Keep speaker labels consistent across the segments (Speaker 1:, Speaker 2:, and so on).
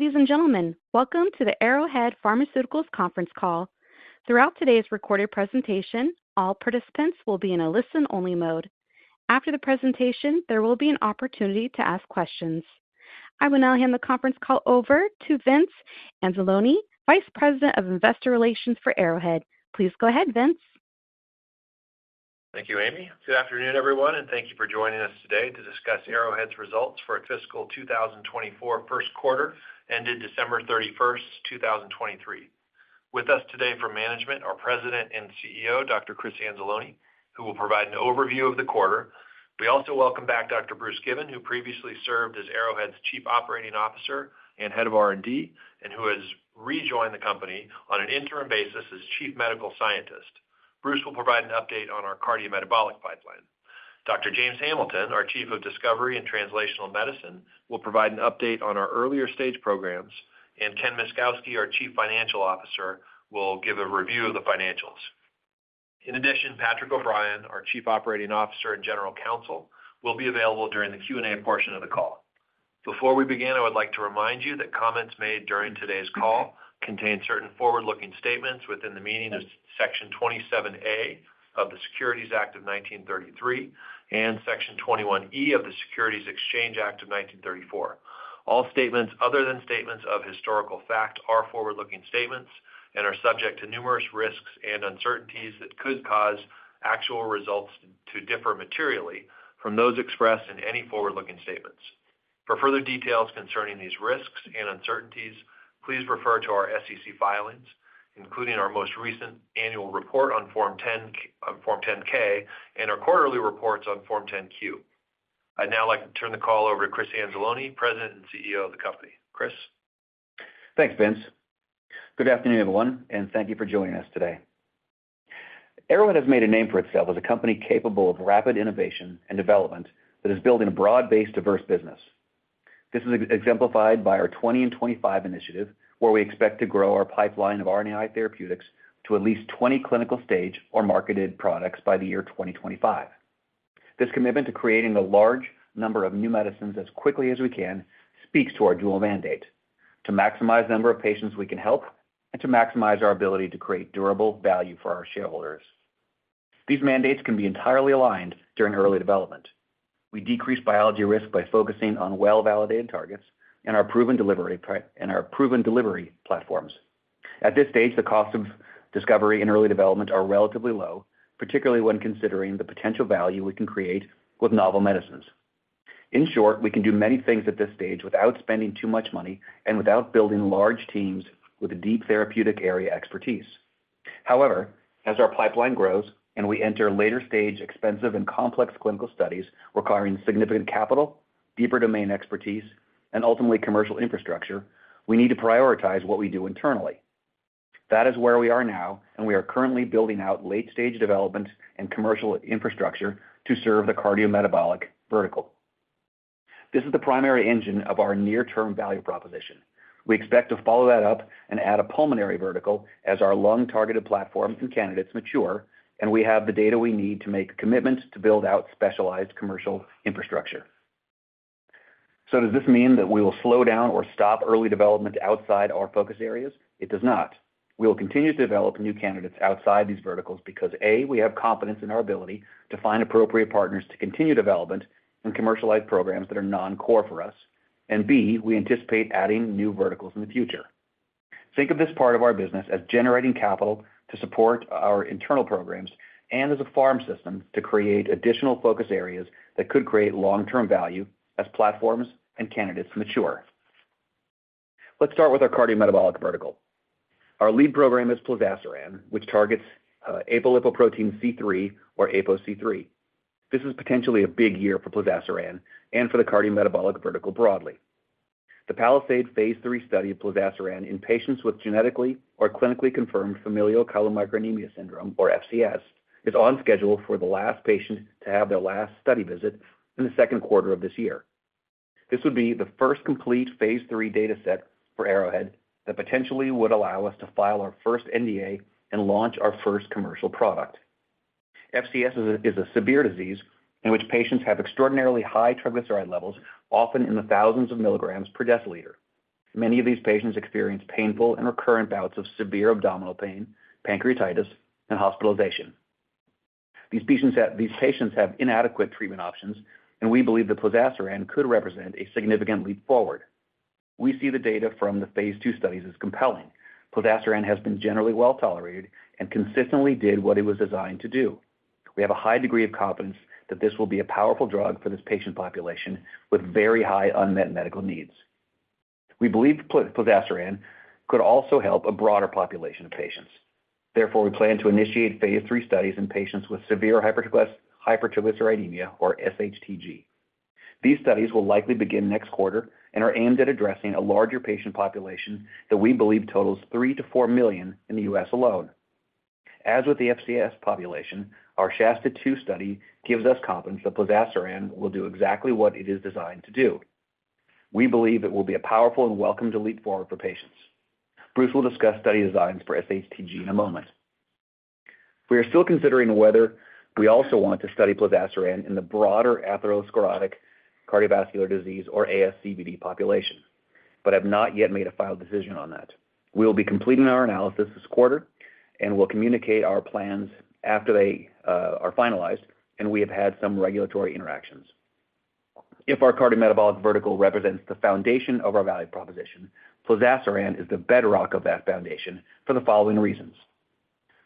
Speaker 1: Ladies and gentlemen, welcome to the Arrowhead Pharmaceuticals conference call. Throughout today's recorded presentation, all participants will be in a listen-only mode. After the presentation, there will be an opportunity to ask questions. I will now hand the conference call over to Vince Anzalone, Vice President of Investor Relations for Arrowhead. Please go ahead, Vince.
Speaker 2: Thank you, Amy. Good afternoon, everyone, and thank you for joining us today to discuss Arrowhead's results for its fiscal 2024 first quarter, ended December 31st, 2023. With us today from management, our President and CEO, Dr. Chris Anzalone, who will provide an overview of the quarter. We also welcome back Dr. Bruce Given, who previously served as Arrowhead's Chief Operating Officer and Head of R&D, and who has rejoined the company on an interim basis as Chief Medical Scientist. Bruce will provide an update on our Cardiometabolic pipeline. Dr. James Hamilton, our Chief of Discovery and Translational Medicine, will provide an update on our earlier-stage programs, and Ken Myszkowski, our Chief Financial Officer, will give a review of the financials. In addition, Patrick O'Brien, our Chief Operating Officer and General Counsel, will be available during the Q&A portion of the call. Before we begin, I would like to remind you that comments made during today's call contain certain forward-looking statements within the meaning of Section 27A of the Securities Act of 1933 and Section 21E of the Securities Exchange Act of 1934. All statements other than statements of historical fact are forward-looking statements and are subject to numerous risks and uncertainties that could cause actual results to differ materially from those expressed in any forward-looking statements. For further details concerning these risks and uncertainties, please refer to our SEC filings, including our most recent annual report on Form 10-K and our quarterly reports on Form 10-Q. I'd now like to turn the call over to Chris Anzalone, President and CEO of the company. Chris?
Speaker 3: Thanks, Vince. Good afternoon, everyone, and thank you for joining us today. Arrowhead has made a name for itself as a company capable of rapid innovation and development that is building a broad-based, diverse business. This is exemplified by our 20-in-25 initiative, where we expect to grow our pipeline of RNAi therapeutics to at least 20 clinical-stage or marketed products by the year 2025. This commitment to creating a large number of new medicines as quickly as we can speaks to our dual mandate: to maximize the number of patients we can help and to maximize our ability to create durable value for our shareholders. These mandates can be entirely aligned during early development. We decrease biology risk by focusing on well-validated targets and our proven delivery platform. At this stage, the cost of discovery and early development are relatively low, particularly when considering the potential value we can create with novel medicines. In short, we can do many things at this stage without spending too much money and without building large teams with a deep therapeutic area expertise. However, as our pipeline grows and we enter later-stage, expensive, and complex clinical studies requiring significant capital, deeper domain expertise, and ultimately commercial infrastructure, we need to prioritize what we do internally. That is where we are now, and we are currently building out late-stage development and commercial infrastructure to serve cardiometabolic vertical. This is the primary engine of our near-term value proposition. We expect to follow that up and add a Pulmonary vertical as our lung-targeted platforms and candidates mature, and we have the data we need to make commitments to build out specialized commercial infrastructure. So does this mean that we will slow down or stop early development outside our focus areas? It does not. We will continue to develop new candidates outside these verticals because, A, we have confidence in our ability to find appropriate partners to continue development and commercialize programs that are non-core for us, and B, we anticipate adding new verticals in the future. Think of this part of our business as generating capital to support our internal programs and as a farm system to create additional focus areas that could create long-term value as platforms and candidates mature. Let's start with cardiometabolic vertical. Our lead program is plozasiran, which targets apolipoprotein C-III, or APOC3. This is potentially a big year for plozasiran and for cardiometabolic vertical broadly. The PALISADE phase 3 study of plozasiran in patients with genetically or clinically confirmed familial Chylomicronemia Syndrome, or FCS, is on schedule for the last patient to have their last study visit in the second quarter of this year. This would be the first complete phase 3 dataset for Arrowhead that potentially would allow us to file our first NDA and launch our first commercial product. FCS is a severe disease in which patients have extraordinarily high triglyceride levels, often in the thousands of milligrams per deciliter. Many of these patients experience painful and recurrent bouts of severe abdominal pain, pancreatitis, and hospitalization. These patients have inadequate treatment options, and we believe that plozasiran could represent a significant leap forward. We see the data from the phase 2 studies as compelling. plozasiran has been generally well-tolerated and consistently did what it was designed to do. We have a high degree of confidence that this will be a powerful drug for this patient population with very high unmet medical needs. We believe plozasiran could also help a broader population of patients. Therefore, we plan to initiate phase 3 studies in patients with severe hypertriglyceridemia, or SHTG. These studies will likely begin next quarter and are aimed at addressing a larger patient population that we believe totals 3-4 million in the US alone. As with the FCS population, our SHASTA-2 study gives us confidence that plozasiran will do exactly what it is designed to do. We believe it will be a powerful and welcomed leap forward for patients. Bruce will discuss study designs for SHTG in a moment... We are still considering whether we also want to study plozasiran in the broader atherosclerotic cardiovascular disease or ASCVD population, but have not yet made a final decision on that. We will be completing our analysis this quarter, and we'll communicate our plans after they are finalized, and we have had some regulatory interactions. If cardiometabolic vertical represents the foundation of our value proposition, plozasiran is the bedrock of that foundation for the following reasons: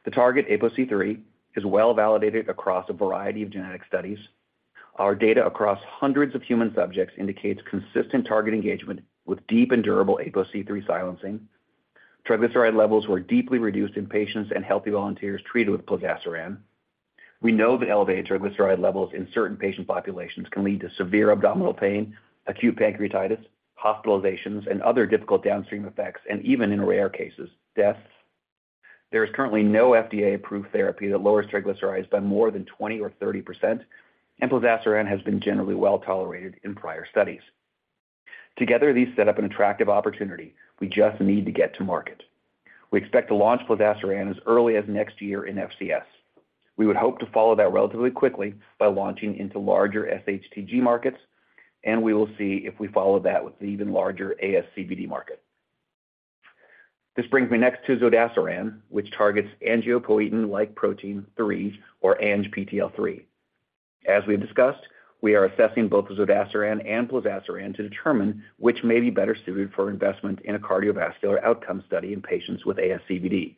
Speaker 3: The target, APOC3, is well-validated across a variety of genetic studies. Our data across hundreds of human subjects indicates consistent target engagement with deep and durable APOC3 silencing. Triglyceride levels were deeply reduced in patients and healthy volunteers treated with plozasiran. We know that elevated triglyceride levels in certain patient populations can lead to severe abdominal pain, acute pancreatitis, hospitalizations, and other difficult downstream effects, and even in rare cases, deaths. There is currently no FDA-approved therapy that lowers triglycerides by more than 20% or 30%, and plozasiran has been generally well-tolerated in prior studies. Together, these set up an attractive opportunity. We just need to get to market. We expect to launch plozasiran as early as next year in FCS. We would hope to follow that relatively quickly by launching into larger SHTG markets, and we will see if we follow that with the even larger ASCVD market. This brings me next to Zodasiran, which targets angiopoietin-like protein three, or ANGPTL3. As we've discussed, we are assessing both Zodasiran and plozasiran to determine which may be better suited for investment in a cardiovascular outcome study in patients with ASCVD.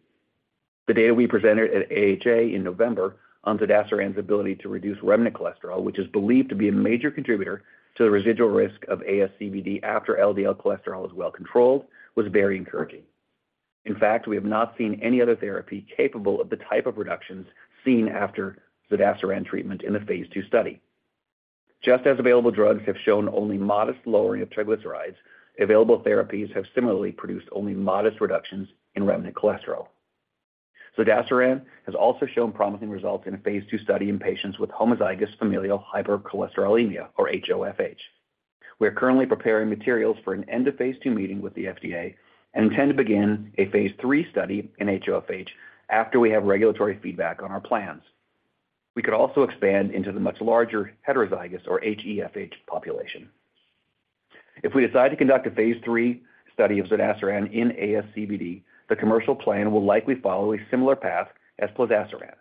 Speaker 3: The data we presented at AHA in November on Zodasiran's ability to reduce remnant cholesterol, which is believed to be a major contributor to the residual risk of ASCVD after LDL cholesterol is well controlled, was very encouraging. In fact, we have not seen any other therapy capable of the type of reductions seen after Zodasiran treatment in the phase II study. Just as available drugs have shown only modest lowering of triglycerides, available therapies have similarly produced only modest reductions in remnant cholesterol. Zodasiran has also shown promising results in a phase II study in patients with homozygous familial hypercholesterolemia, or HoFH. We are currently preparing materials for an end-of-phase II meeting with the FDA and intend to begin a phase III study in HoFH after we have regulatory feedback on our plans. We could also expand into the much larger heterozygous or HeFH population. If we decide to conduct a phase 3 study of Zodasiran in ASCVD, the commercial plan will likely follow a similar path as plozasiran.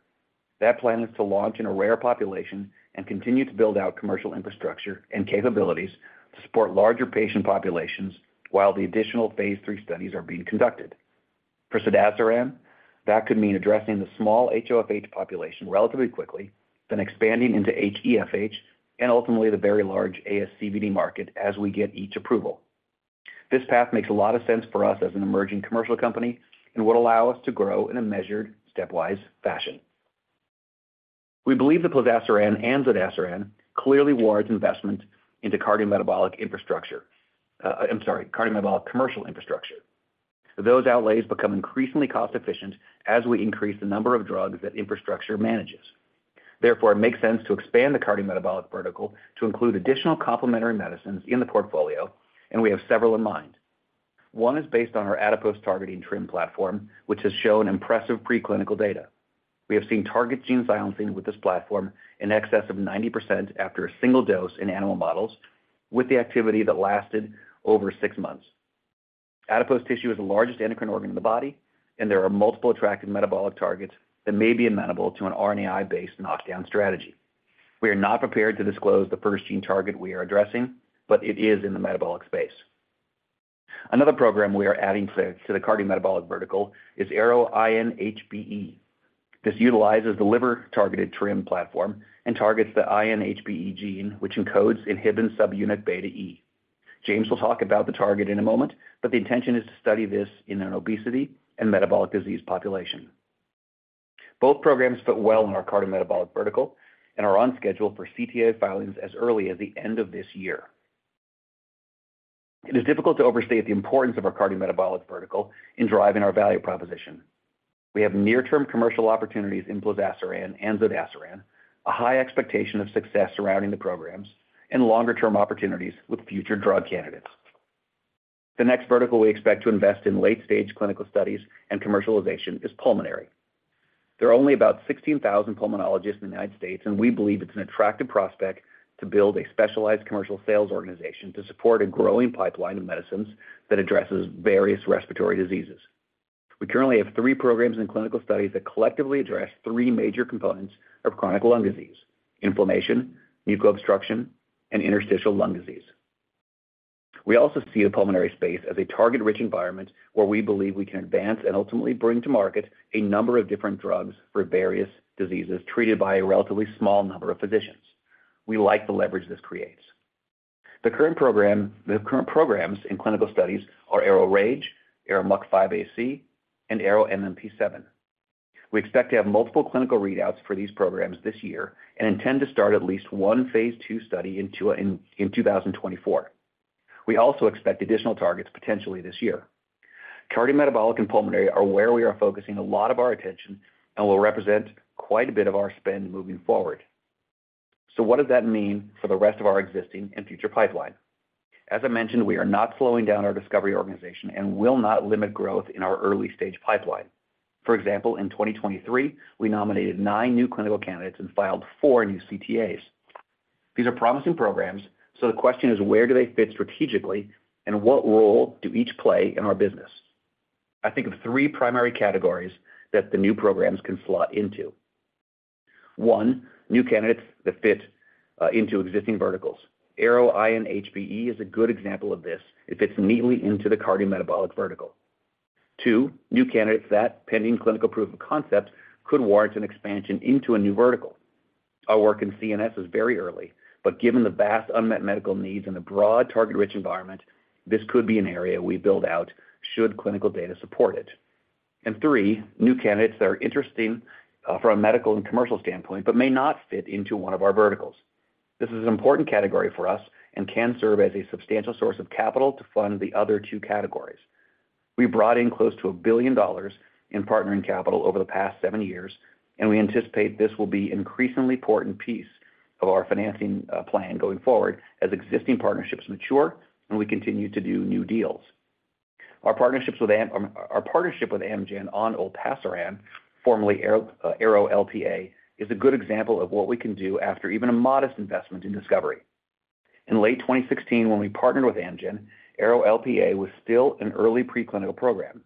Speaker 3: That plan is to launch in a rare population and continue to build out commercial infrastructure and capabilities to support larger patient populations while the additional phase 3 studies are being conducted. For zodasiran, that could mean addressing the small HoFH population relatively quickly, then expanding into HeFH and ultimately the very large ASCVD market as we get each approval. This path makes a lot of sense for us as an emerging commercial company and would allow us to grow in a measured, stepwise fashion. We believe that plozasiran and Zodasiran clearly warrants investment into Cardiometabolic infrastructure. I'm sorry, Cardiometabolic commercial infrastructure. Those outlays become increasingly cost-efficient as we increase the number of drugs that infrastructure manages. Therefore, it makes sense to expand cardiometabolic vertical to include additional complementary medicines in the portfolio, and we have several in mind. One is based on our adipose targeting TRiM platform, which has shown impressive preclinical data. We have seen target gene silencing with this platform in excess of 90% after a single dose in animal models, with the activity that lasted over six months. Adipose tissue is the largest endocrine organ in the body, and there are multiple attractive metabolic targets that may be amenable to an RNAi-based knockdown strategy. We are not prepared to disclose the first gene target we are addressing, but it is in the metabolic space. Another program we are adding to cardiometabolic vertical is ARO-INHBE. This utilizes the liver-targeted TRiM platform and targets the INHBE gene, which encodes inhibin subunit beta E. James will talk about the target in a moment, but the intention is to study this in an obesity and metabolic disease population. Both programs fit well in cardiometabolic vertical and are on schedule for CTA filings as early as the end of this year. It is difficult to overstate the importance of cardiometabolic vertical in driving our value proposition. We have near-term commercial opportunities in plozasiran and Zodasiran, a high expectation of success surrounding the programs, and longer-term opportunities with future drug candidates. The next vertical we expect to invest in late-stage clinical studies and commercialization is Pulmonary. There are only about 16,000 pulmonologists in the United States, and we believe it's an attractive prospect to build a specialized commercial sales organization to support a growing pipeline of medicines that addresses various respiratory diseases. We currently have three programs in clinical studies that collectively address three major components of chronic lung disease: inflammation, muco-obstruction, and interstitial lung disease. We also see the Pulmonary space as a target-rich environment where we believe we can advance and ultimately bring to market a number of different drugs for various diseases treated by a relatively small number of physicians. We like the leverage this creates. The current programs in clinical studies are ARO-RAGE, ARO-MUC5AC, and ARO-MMP7. We expect to have multiple clinical readouts for these programs this year and intend to start at least one phase II study in 2024. We also expect additional targets potentially this year. Cardiometabolic and Pulmonary are where we are focusing a lot of our attention and will represent quite a bit of our spend moving forward. So what does that mean for the rest of our existing and future pipeline? As I mentioned, we are not slowing down our discovery organization and will not limit growth in our early-stage pipeline. For example, in 2023, we nominated nine new clinical candidates and filed four new CTAs. These are promising programs, so the question is: where do they fit strategically, and what role do each play in our business? I think of three primary categories that the new programs can slot into. One, new candidates that fit into existing verticals. ARO-INHBE is a good example of this. It fits neatly into cardiometabolic vertical. Two, new candidates that, pending clinical proof of concept, could warrant an expansion into a new vertical. Our work in CNS is very early, but given the vast unmet medical needs and the broad target-rich environment, this could be an area we build out should clinical data support it. And three, new candidates that are interesting from a medical and commercial standpoint, but may not fit into one of our verticals. This is an important category for us and can serve as a substantial source of capital to fund the other two categories. We brought in close to $1 billion in partnering capital over the past seven years, and we anticipate this will be an increasingly important piece of our financing plan going forward as existing partnerships mature and we continue to do new deals. Our partnership with Amgen on Olpasiran, formerly ARO-LPA, is a good example of what we can do after even a modest investment in discovery. In late 2016, when we partnered with Amgen, ARO-LPA was still an early preclinical program.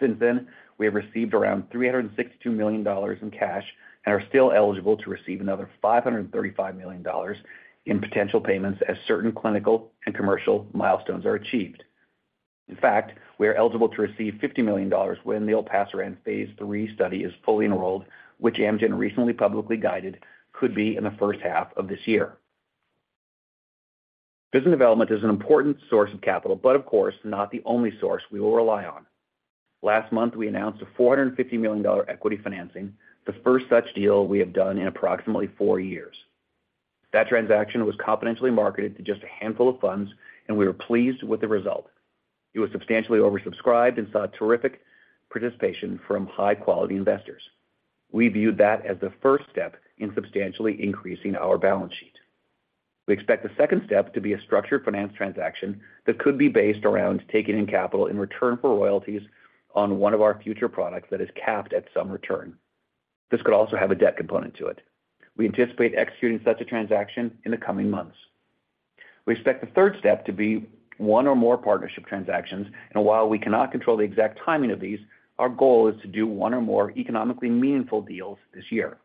Speaker 3: Since then, we have received around $362 million in cash and are still eligible to receive another $535 million in potential payments as certain clinical and commercial milestones are achieved. In fact, we are eligible to receive $50 million when the Olpasiran phase 3 study is fully enrolled, which Amgen recently publicly guided could be in the first half of this year. Business development is an important source of capital, but of course, not the only source we will rely on. Last month, we announced a $450 million equity financing, the first such deal we have done in approximately 4 years. That transaction was confidentially marketed to just a handful of funds, and we were pleased with the result. It was substantially oversubscribed and saw terrific participation from high-quality investors. We viewed that as the first step in substantially increasing our balance sheet. We expect the second step to be a structured finance transaction that could be based around taking in capital in return for royalties on one of our future products that is capped at some return. This could also have a debt component to it. We anticipate executing such a transaction in the coming months. We expect the third step to be one or more partnership transactions, and while we cannot control the exact timing of these, our goal is to do one or more economically meaningful deals this year.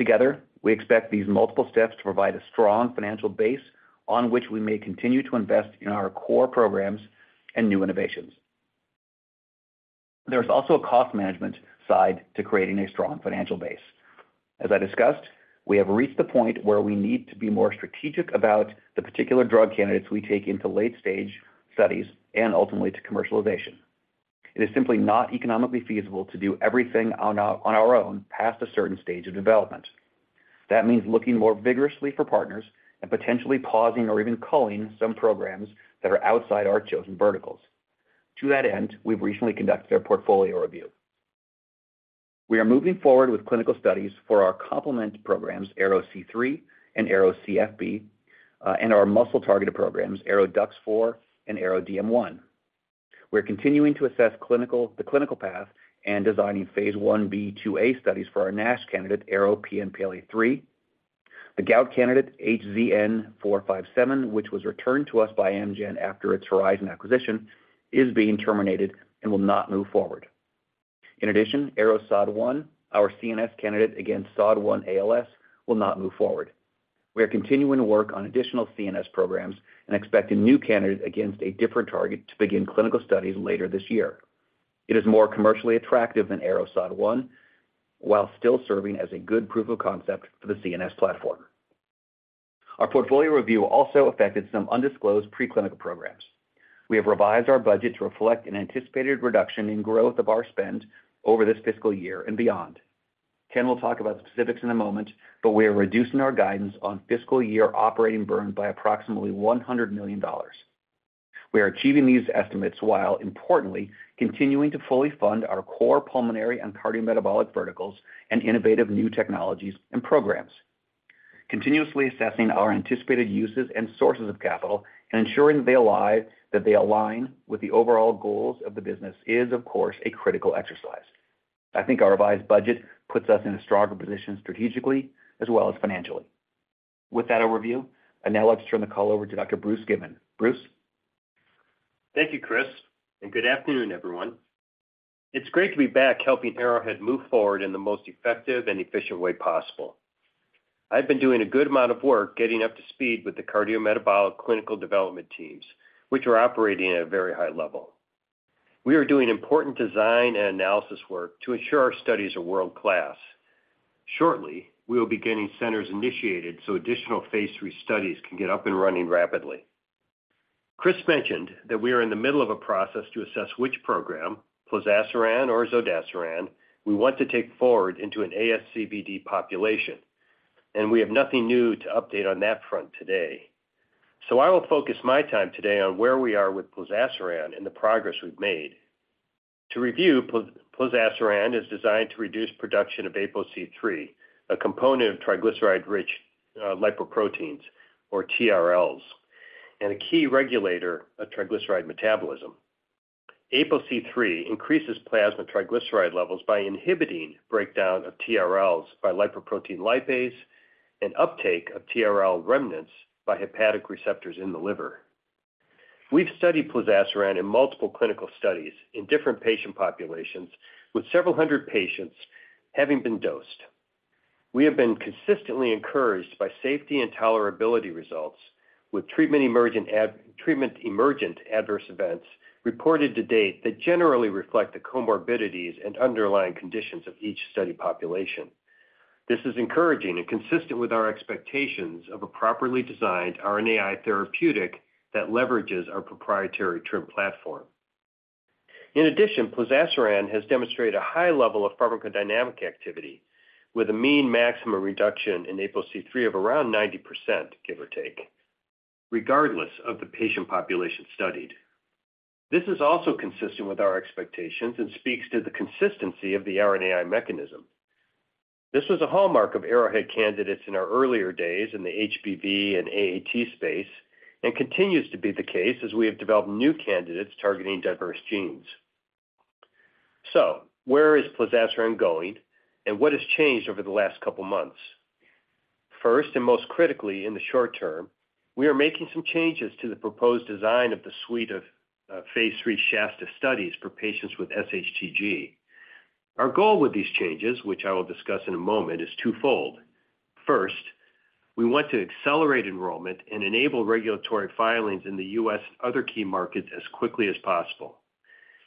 Speaker 3: Together, we expect these multiple steps to provide a strong financial base on which we may continue to invest in our core programs and new innovations. There's also a cost management side to creating a strong financial base. As I discussed, we have reached the point where we need to be more strategic about the particular drug candidates we take into late-stage studies and ultimately to commercialization. It is simply not economically feasible to do everything on our, on our own past a certain stage of development. That means looking more vigorously for partners and potentially pausing or even culling some programs that are outside our chosen verticals. To that end, we've recently conducted a portfolio review. We are moving forward with clinical studies for our complement programs, ARO-C3 and ARO-CFB, and our muscle-targeted programs, ARO-DUX4 and ARO-DM1. We're continuing to assess the clinical path and designing phase Ib/IIa studies for our NASH candidate, ARO-PNPLA3. The gout candidate, HZN-457, which was returned to us by Amgen after its Horizon acquisition, is being terminated and will not move forward. In addition, ARO-SOD1, our CNS candidate against SOD1 ALS, will not move forward. We are continuing to work on additional CNS programs and expect a new candidate against a different target to begin clinical studies later this year. It is more commercially attractive than ARO-SOD1, while still serving as a good proof of concept for the CNS platform. Our portfolio review also affected some undisclosed preclinical programs. We have revised our budget to reflect an anticipated reduction in growth of our spend over this fiscal year and beyond. Ken will talk about specifics in a moment, but we are reducing our guidance on fiscal year operating burn by approximately $100 million. We are achieving these estimates while, importantly, continuing to fully fund our core Pulmonary cardiometabolic verticals and innovative new technologies and programs. Continuously assessing our anticipated uses and sources of capital and ensuring they align with the overall goals of the business is, of course, a critical exercise. I think our revised budget puts us in a stronger position strategically as well as financially. With that overview, I'd now like to turn the call over to Dr. Bruce Given. Bruce?
Speaker 4: Thank you, Chris, and good afternoon, everyone. It's great to be back helping Arrowhead move forward in the most effective and efficient way possible. I've been doing a good amount of work getting up to speed with the Cardiometabolic clinical development teams, which are operating at a very high level. We are doing important design and analysis work to ensure our studies are world-class. Shortly, we will be getting centers initiated so additional Phase III studies can get up and running rapidly. Chris mentioned that we are in the middle of a process to assess which program, plozasiran or Zodasiran, we want to take forward into an ASCVD population, and we have nothing new to update on that front today. So I will focus my time today on where we are with plozasiran and the progress we've made.... To review, plozasiran is designed to reduce production of APOC3, a component of triglyceride-rich lipoproteins, or TRLs, and a key regulator of triglyceride metabolism. APOC3 increases plasma triglyceride levels by inhibiting breakdown of TRLs by lipoprotein lipase and uptake of TRL remnants by hepatic receptors in the liver. We've studied plozasiran in multiple clinical studies in different patient populations, with several hundred patients having been dosed. We have been consistently encouraged by safety and tolerability results, with treatment emergent adverse events reported to date that generally reflect the comorbidities and underlying conditions of each study population. This is encouraging and consistent with our expectations of a properly designed RNAi therapeutic that leverages our proprietary TRiM platform. In addition, plozasiran has demonstrated a high level of pharmacodynamic activity, with a mean maximum reduction in APOC3 of around 90%, give or take, regardless of the patient population studied. This is also consistent with our expectations and speaks to the consistency of the RNAi mechanism. This was a hallmark of Arrowhead candidates in our earlier days in the HBV and AAT space, and continues to be the case as we have developed new candidates targeting diverse genes. So where is plozasiran going, and what has changed over the last couple months? First, and most critically in the short term, we are making some changes to the proposed design of the suite of phase 3 SHASTA studies for patients with SHTG. Our goal with these changes, which I will discuss in a moment, is twofold. First, we want to accelerate enrollment and enable regulatory filings in the US other key markets as quickly as possible.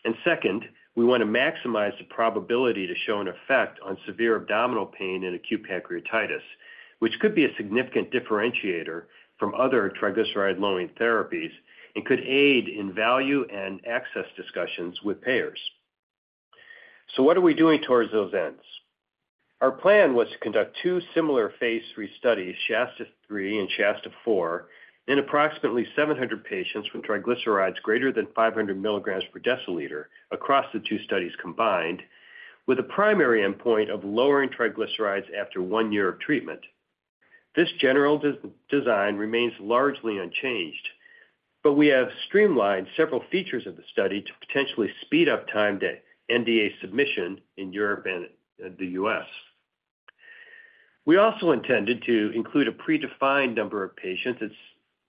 Speaker 4: And second, we want to maximize the probability to show an effect on severe abdominal pain and acute pancreatitis, which could be a significant differentiator from other triglyceride-lowering therapies and could aid in value and access discussions with payers. So what are we doing towards those ends? Our plan was to conduct two similar phase 3 studies, SHASTA-3 andSHASTA-4, in approximately 700 patients with triglycerides greater than 500mg per dL across the two studies combined, with a primary endpoint of lowering triglycerides after one year of treatment. This general design remains largely unchanged, but we have streamlined several features of the study to potentially speed up time to NDA submission in Europe and the US We also intended to include a predefined number of patients at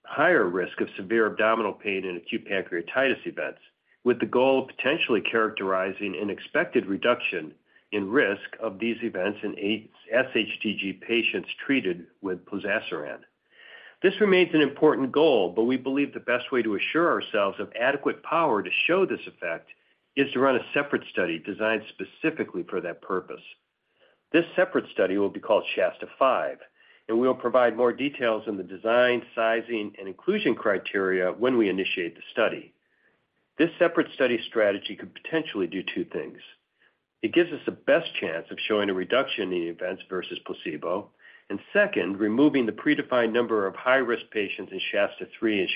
Speaker 4: higher risk of severe abdominal pain and acute pancreatitis events, with the goal of potentially characterizing an expected reduction in risk of these events in SHTG patients treated with plozasiran. This remains an important goal, but we believe the best way to assure ourselves of adequate power to show this effect is to run a separate study designed specifically for that purpose. This separate study will be calledSHASTA-5, and we will provide more details on the design, sizing, and inclusion criteria when we initiate the study. This separate study strategy could potentially do two things: It gives us the best chance of showing a reduction in events versus placebo. And second, removing the predefined number of high-risk patients inSHASTA-3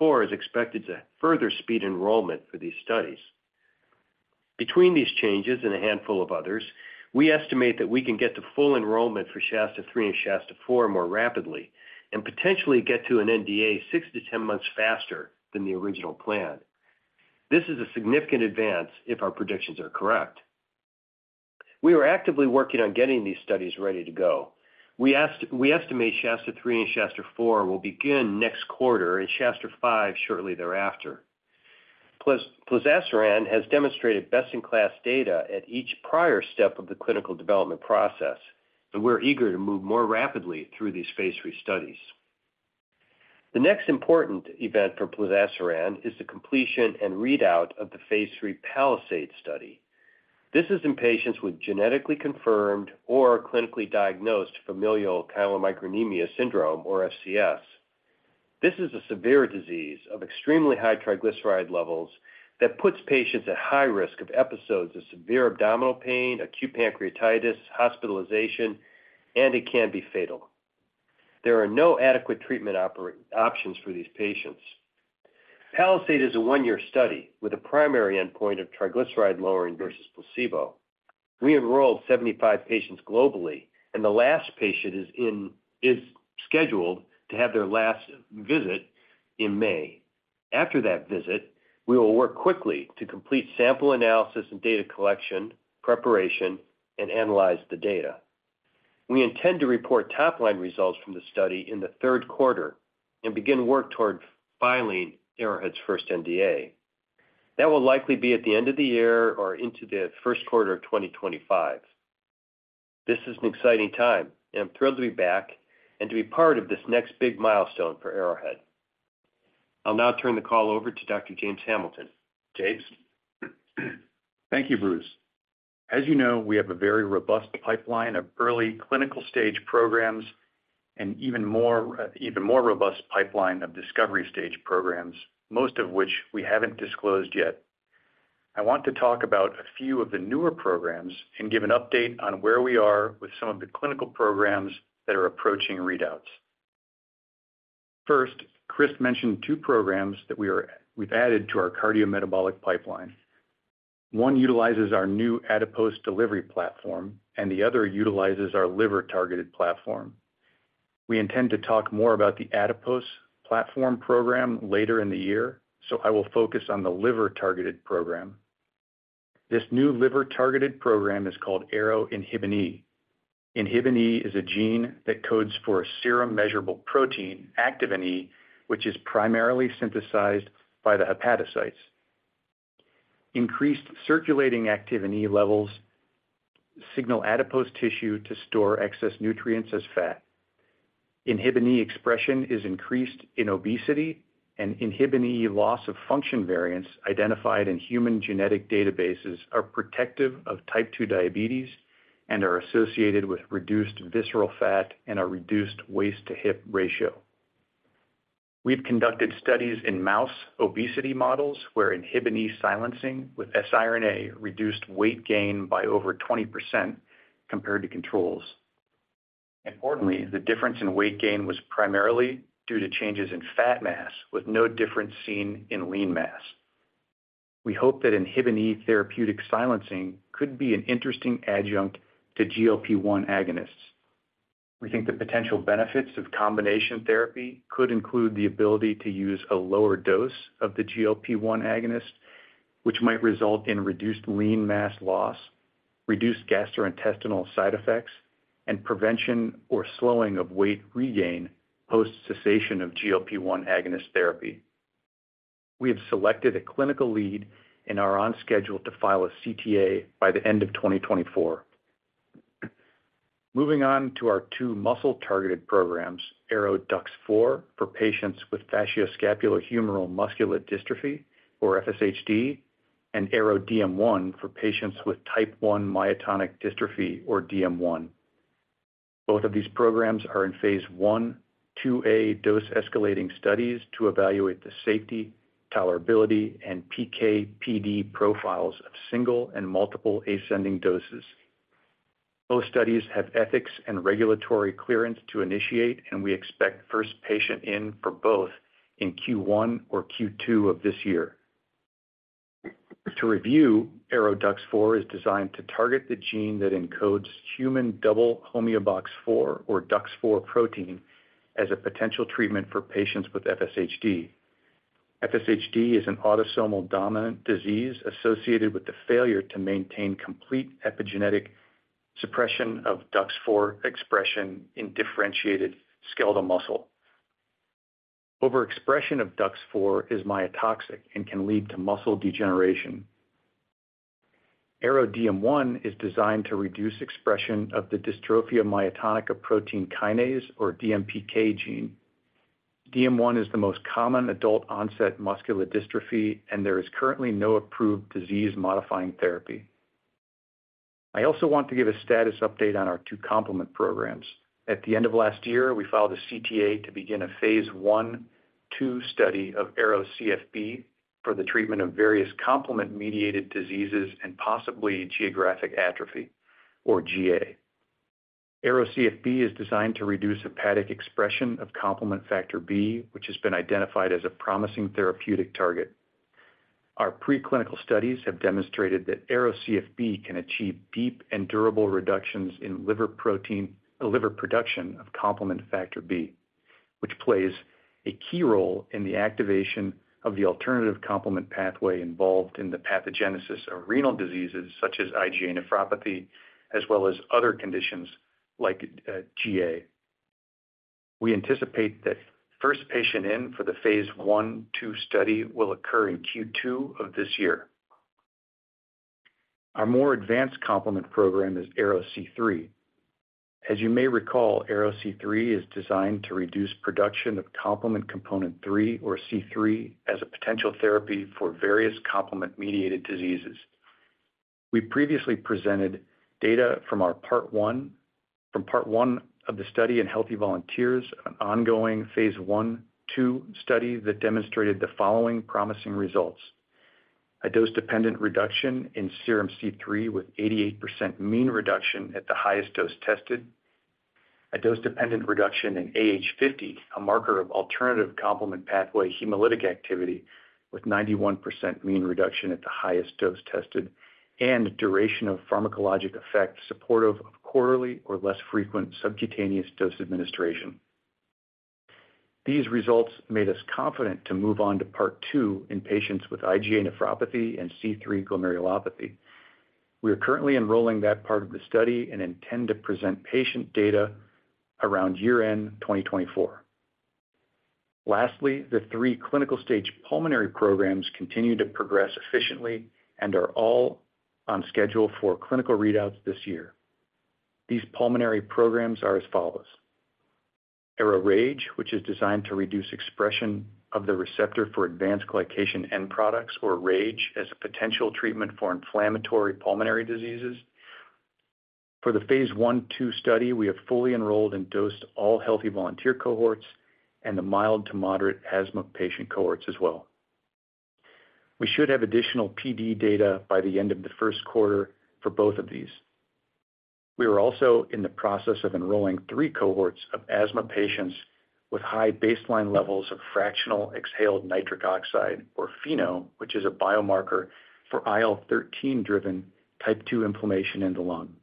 Speaker 4: andSHASTA-4 is expected to further speed enrollment for these studies. Between these changes and a handful of others, we estimate that we can get to full enrollment forSHASTA-3 andSHASTA-4 more rapidly and potentially get to an NDA 6-10 months faster than the original plan. This is a significant advance if our predictions are correct. We are actively working on getting these studies ready to go. We estimateSHASTA-3 andSHASTA-4 will begin next quarter andSHASTA-5 shortly thereafter. plozasiran has demonstrated best-in-class data at each prior step of the clinical development process, and we're eager to move more rapidly through these phase 3 studies. The next important event for plozasiran is the completion and readout of the phase 3 PALISADE study. This is in patients with genetically confirmed or clinically diagnosed familial Chylomicronemia Syndrome, or FCS. This is a severe disease of extremely high triglyceride levels that puts patients at high risk of episodes of severe abdominal pain, acute pancreatitis, hospitalization, and it can be fatal. There are no adequate treatment options for these patients. PALISADE is a one-year study with a primary endpoint of triglyceride lowering versus placebo. We enrolled 75 patients globally, and the last patient is scheduled to have their last visit in May. After that visit, we will work quickly to complete sample analysis and data collection, preparation, and analyze the data. We intend to report top-line results from the study in the third quarter and begin work toward filing Arrowhead's first NDA. That will likely be at the end of the year or into the first quarter of 2025. This is an exciting time, and I'm thrilled to be back and to be part of this next big milestone for Arrowhead. I'll now turn the call over to Dr. James Hamilton. James?
Speaker 5: Thank you, Bruce. As you know, we have a very robust pipeline of early clinical-stage programs and even more, even more robust pipeline of discovery-stage programs, most of which we haven't disclosed yet. I want to talk about a few of the newer programs and give an update on where we are with some of the clinical programs that are approaching readouts. First, Chris mentioned two programs that we've added to our Cardiometabolic pipeline. One utilizes our new adipose delivery platform, and the other utilizes our liver-targeted platform. We intend to talk more about the adipose platform program later in the year, so I will focus on the liver-targeted program. This new liver-targeted program is called ARO-INHBE. Inhibin E is a gene that codes for a serum-measurable protein, activin E, which is primarily synthesized by the hepatocytes. Increased circulating activin E levels signal adipose tissue to store excess nutrients as fat. Inhibin E expression is increased in obesity, and inhibin E loss-of-function variants identified in human genetic databases are protective of type 2 diabetes and are associated with reduced visceral fat and a reduced waist-to-hip ratio. We've conducted studies in mouse obesity models, where inhibin E silencing with siRNA reduced weight gain by over 20% compared to controls. Importantly, the difference in weight gain was primarily due to changes in fat mass, with no difference seen in lean mass. We hope that inhibin E therapeutic silencing could be an interesting adjunct to GLP-1 agonists. We think the potential benefits of combination therapy could include the ability to use a lower dose of the GLP-1 agonist, which might result in reduced lean mass loss, reduced gastrointestinal side effects, and prevention or slowing of weight regain post cessation of GLP-1 agonist therapy. We have selected a clinical lead and are on schedule to file a CTA by the end of 2024. Moving on to our two muscle-targeted programs, ARO-DUX4, for patients with facioscapulohumeral muscular dystrophy, or FSHD, and ARO-DM1, for patients with type 1 myotonic dystrophy, or DM1. Both of these programs are in Phase 1/2a dose-escalating studies to evaluate the safety, tolerability, and PK/PD profiles of single and multiple ascending doses. Both studies have ethics and regulatory clearance to initiate, and we expect first patient in for both in Q1 or Q2 of this year. To review, ARO-DUX4 is designed to target the gene that encodes human double homeobox 4, or DUX4 protein, as a potential treatment for patients with FSHD. FSHD is an autosomal dominant disease associated with the failure to maintain complete epigenetic suppression of DUX4 expression in differentiated skeletal muscle. Overexpression of DUX4 is myotoxic and can lead to muscle degeneration. ARO-DM1 is designed to reduce expression of the dystrophia myotonica protein kinase, or DMPK gene. DM1 is the most common adult-onset muscular dystrophy, and there is currently no approved disease-modifying therapy. I also want to give a status update on our two complement programs. At the end of last year, we filed a CTA to begin a phase I/II study of ARO-CFB for the treatment of various complement-mediated diseases and possibly geographic atrophy, or GA. ARO-CFB is designed to reduce hepatic expression of complement factor B, which has been identified as a promising therapeutic target. Our preclinical studies have demonstrated that ARO-CFB can achieve deep and durable reductions in liver production of complement factor B, which plays a key role in the activation of the alternative complement pathway involved in the pathogenesis of renal diseases such as IgA nephropathy, as well as other conditions like GA. We anticipate that first patient in for the phase I/II study will occur in Q2 of this year. Our more advanced complement program is ARO-C3. As you may recall, ARO-C3 is designed to reduce production of complement component three, or C3, as a potential therapy for various complement-mediated diseases. We previously presented data from our Part One of the study in healthy volunteers, an ongoing phase I/II study that demonstrated the following promising results: A dose-dependent reduction in serum C3, with 88% mean reduction at the highest dose tested. A dose-dependent reduction in AH50, a marker of alternative complement pathway hemolytic activity, with 91% mean reduction at the highest dose tested, and duration of pharmacologic effect supportive of quarterly or less frequent subcutaneous dose administration. These results made us confident to move on to Part Two in patients with IgA nephropathy and C3 glomerulopathy. We are currently enrolling that part of the study and intend to present patient data around year-end 2024. Lastly, the three clinical-stage Pulmonary programs continue to progress efficiently and are all on schedule for clinical readouts this year. These Pulmonary programs are as follows: ARO-RAGE, which is designed to reduce expression of the receptor for advanced glycation end products, or RAGE, as a potential treatment for inflammatory Pulmonary diseases. For the phase I/II study, we have fully enrolled and dosed all healthy volunteer cohorts and the mild to moderate asthma patient cohorts as well.... We should have additional PD data by the end of the first quarter for both of these. We are also in the process of enrolling three cohorts of asthma patients with high baseline levels of fractional exhaled nitric oxide, or FeNO, which is a biomarker for IL-13-driven type 2 inflammation in the lung.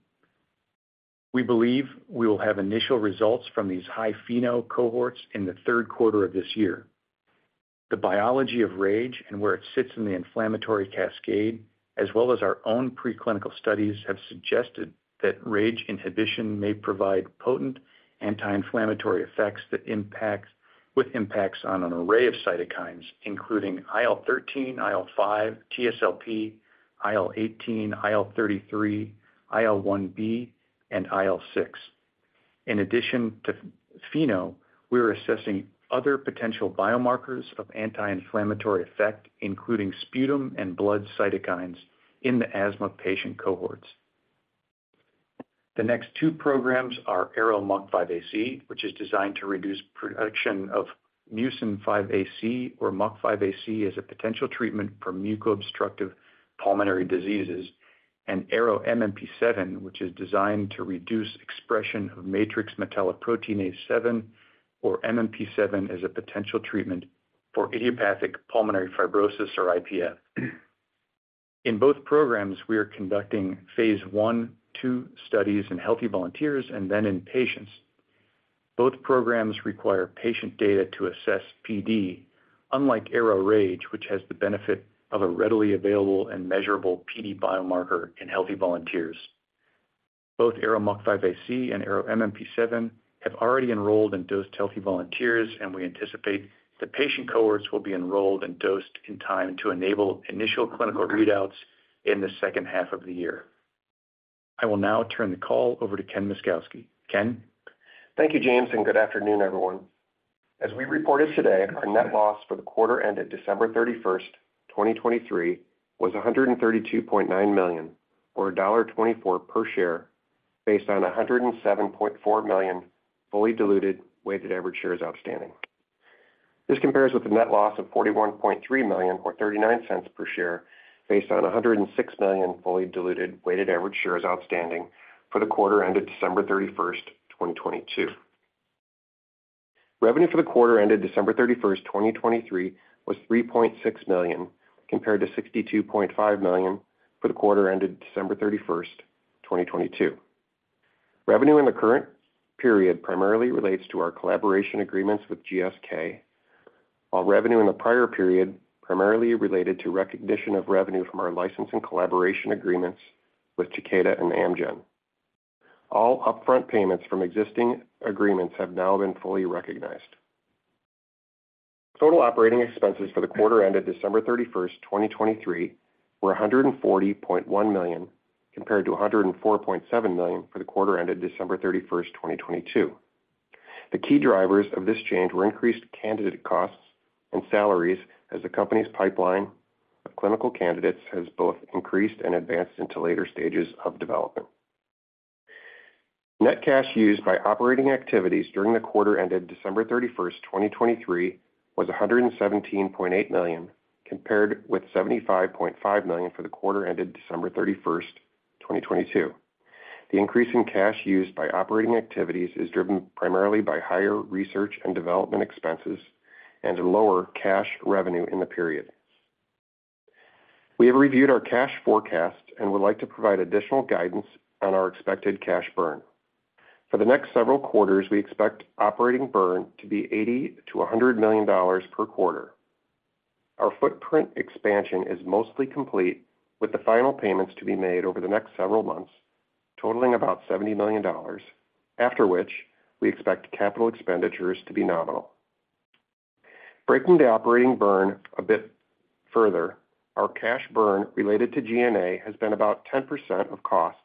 Speaker 5: We believe we will have initial results from these high FeNO cohorts in the third quarter of this year. The biology of RAGE and where it sits in the inflammatory cascade, as well as our own preclinical studies, have suggested that RAGE inhibition may provide potent anti-inflammatory effects that impact, with impacts on an array of cytokines, including IL-13, IL-5, TSLP, IL-18, IL-33, IL-1B, and IL-6. In addition to FeNO, we are assessing other potential biomarkers of anti-inflammatory effect, including sputum and blood cytokines in the asthma patient cohorts. The next two programs are ARO-MUC5AC, which is designed to reduce production of mucin 5AC or MUC5AC, as a potential treatment for muco-obstructive Pulmonary diseases, and ARO-MMP7, which is designed to reduce expression of matrix metalloproteinase 7, or MMP7, as a potential treatment for idiopathic Pulmonary fibrosis, or IPF. In both programs, we are conducting Phase 1/2 studies in healthy volunteers and then in patients. Both programs require patient data to assess PD, unlike ARO-RAGE, which has the benefit of a readily available and measurable PD biomarker in healthy volunteers. Both ARO-MUC5AC and ARO-MMP7 have already enrolled and dosed healthy volunteers, and we anticipate the patient cohorts will be enrolled and dosed in time to enable initial clinical readouts in the second half of the year. I will now turn the call over to Ken Myszkowski. Ken?
Speaker 6: Thank you, James, and good afternoon, everyone. As we reported today, our net loss for the quarter December 31st, 2023, was $132.9 million, or $1.24 per share, based on 107.4 million fully diluted weighted average shares outstanding. This compares with the net loss of $41.3 million, or 39 cents per share, based on 106 million fully diluted weighted average shares outstanding for the quarter ended December 31st, 2022. Revenue for the quarter December 31st, 2023, was $3.6 million, compared to $62.5 million for the quarter December 31st, 2022. Revenue in the current period primarily relates to our collaboration agreements with GSK, while revenue in the prior period primarily related to recognition of revenue from our licensing collaboration agreements with Takeda and Amgen. All upfront payments from existing agreements have now been fully recognized. Total operating expenses for the quarter ended December 31st, 2023, were $140.1 million, compared to $104.7 million for the quarter ended December 31st, 2022. The key drivers of this change were increased candidate costs and salaries, as the company's pipeline of clinical candidates has both increased and advanced into later stages of development. Net cash used by operating activities during the quarter ended December 31st, 2023, was $117.8 million, compared with $75.5 million for the quarter ended December 31st, 2022. The increase in cash used by operating activities is driven primarily by higher research and development expenses and lower cash revenue in the period. We have reviewed our cash forecast and would like to provide additional guidance on our expected cash burn. For the next several quarters, we expect operating burn to be $80 million-$100 million per quarter. Our footprint expansion is mostly complete, with the final payments to be made over the next several months, totaling about $70 million, after which we expect capital expenditures to be nominal. Breaking the operating burn a bit further, our cash burn related to G&A has been about 10% of costs.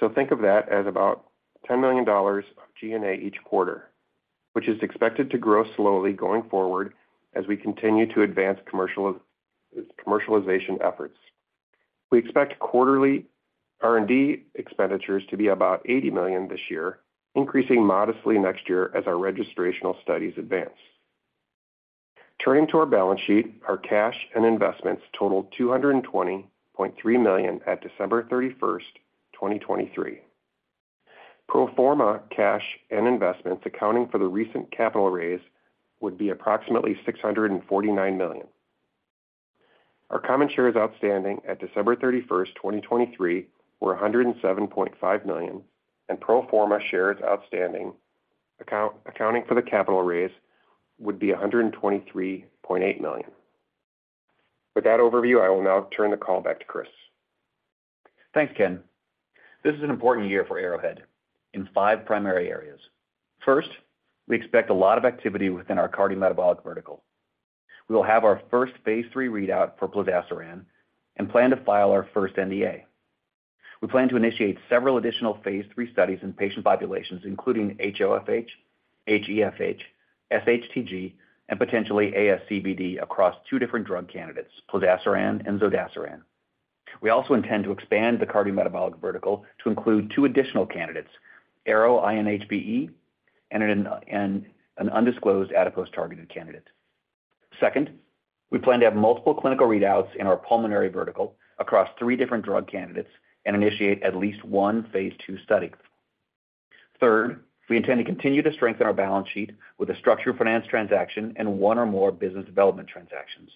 Speaker 6: So think of that as about $10 million of G&A each quarter, which is expected to grow slowly going forward as we continue to advance commercialization efforts. We expect quarterly R&D expenditures to be about $80 million this year, increasing modestly next year as our registrational studies advance. Turning to our balance sheet, our cash and investments totaled $220.3 million at December 31st, 2023. Pro Forma cash and investments accounting for the recent capital raise would be approximately $649 million. Our common shares outstanding at December 31st, 2023, were 107.5 million, and pro forma shares outstanding accounting for the capital raise would be 123.8 million. With that overview, I will now turn the call back to Chris.
Speaker 3: Thanks, Ken. This is an important year for Arrowhead in five primary areas. First, we expect a lot of activity within cardiometabolic vertical. We will have our first phase 3 readout for plozasiran and plan to file our first NDA. We plan to initiate several additional phase 3 studies in patient populations, including HoFH, HeFH, FHTG, and potentially ASCVD across two different drug candidates, plozasiran and zodasiran.... We also intend to expand cardiometabolic vertical to include 2 additional candidates, ARO-INHBE and an undisclosed adipose-targeted candidate. Second, we plan to have multiple clinical readouts in our Pulmonary vertical across 3 different drug candidates and initiate at least one phase 2 study. Third, we intend to continue to strengthen our balance sheet with a structured finance transaction and 1 or more business development transactions.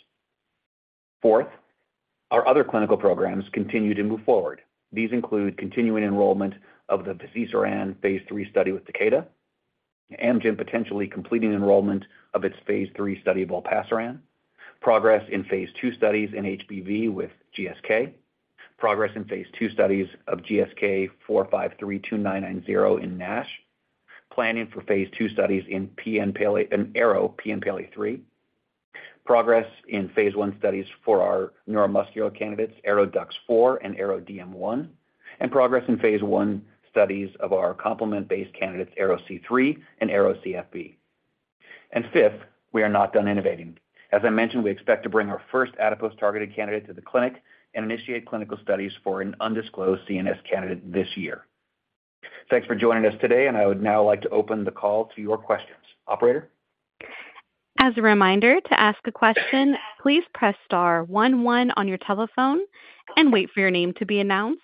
Speaker 3: Fourth, our other clinical programs continue to move forward. These include continuing enrollment of the fazirsiran phase 3 study with Takeda, Amgen potentially completing enrollment of its phase 3 study of olpasiran, progress in phase 2 studies in HBV with GSK, progress in phase 2 studies of GSK4532990 in NASH, planning for phase 2 studies in PNPLA3 and ARO-PNPLA3, progress in phase 1 studies for our neuromuscular candidates, ARO-DUX4 and ARO-DM1, and progress in phase 1 studies of our complement-based candidates, ARO-C3 and ARO-CFB. And fifth, we are not done innovating. As I mentioned, we expect to bring our first adipose-targeted candidate to the clinic and initiate clinical studies for an undisclosed CNS candidate this year. Thanks for joining us today, and I would now like to open the call to your questions. Operator?
Speaker 1: As a reminder, to ask a question, please press star one, one on your telephone and wait for your name to be announced.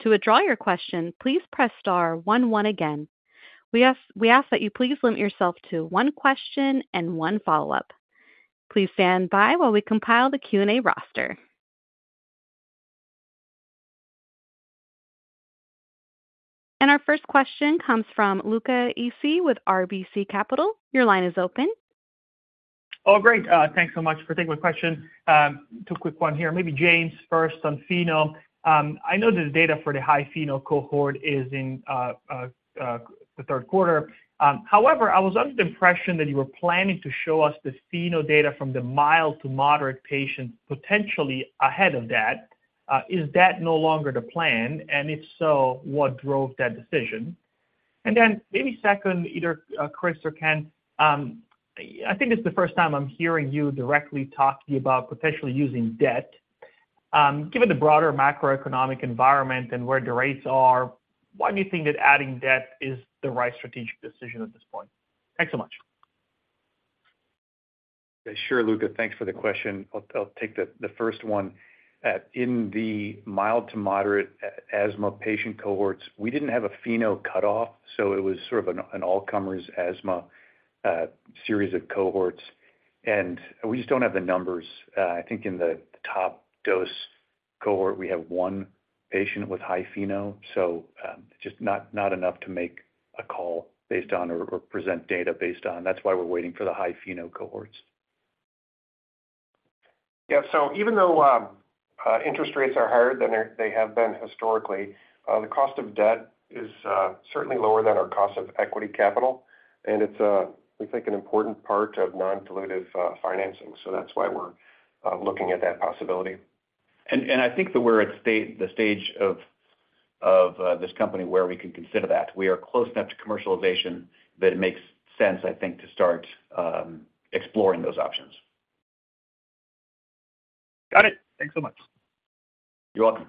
Speaker 1: To withdraw your question, please press star one, one again. We ask that you please limit yourself to one question and one follow-up. Please stand by while we compile the Q&A roster. Our first question comes from Luca Issi with RBC Capital. Your line is open.
Speaker 7: Oh, great. Thanks so much for taking my question. Two quick ones here. Maybe James first on FeNO. I know this data for the high FeNO cohort is in the third quarter. However, I was under the impression that you were planning to show us this FeNO data from the mild to moderate patients potentially ahead of that. Is that no longer the plan? And if so, what drove that decision? And then maybe second, either Chris or Ken, I think it's the first time I'm hearing you directly talking about potentially using debt. Given the broader macroeconomic environment and where the rates are, why do you think that adding debt is the right strategic decision at this point? Thanks so much.
Speaker 5: Sure, Luca. Thanks for the question. I'll take the first one. In the mild to moderate asthma patient cohorts, we didn't have a FeNO cutoff, so it was sort of an all-comers asthma series of cohorts, and we just don't have the numbers. I think in the top dose cohort, we have one patient with high FeNO, so just not enough to make a call based on or present data based on. That's why we're waiting for the high FeNO cohorts.
Speaker 6: Yeah, so even though interest rates are higher than they have been historically, the cost of debt is certainly lower than our cost of equity capital, and it's a, we think, an important part of non-dilutive financing. So that's why we're looking at that possibility. I think that we're at the stage of this company where we can consider that. We are close enough to commercialization that it makes sense, I think, to start exploring those options.
Speaker 7: Got it. Thanks so much.
Speaker 3: You're welcome.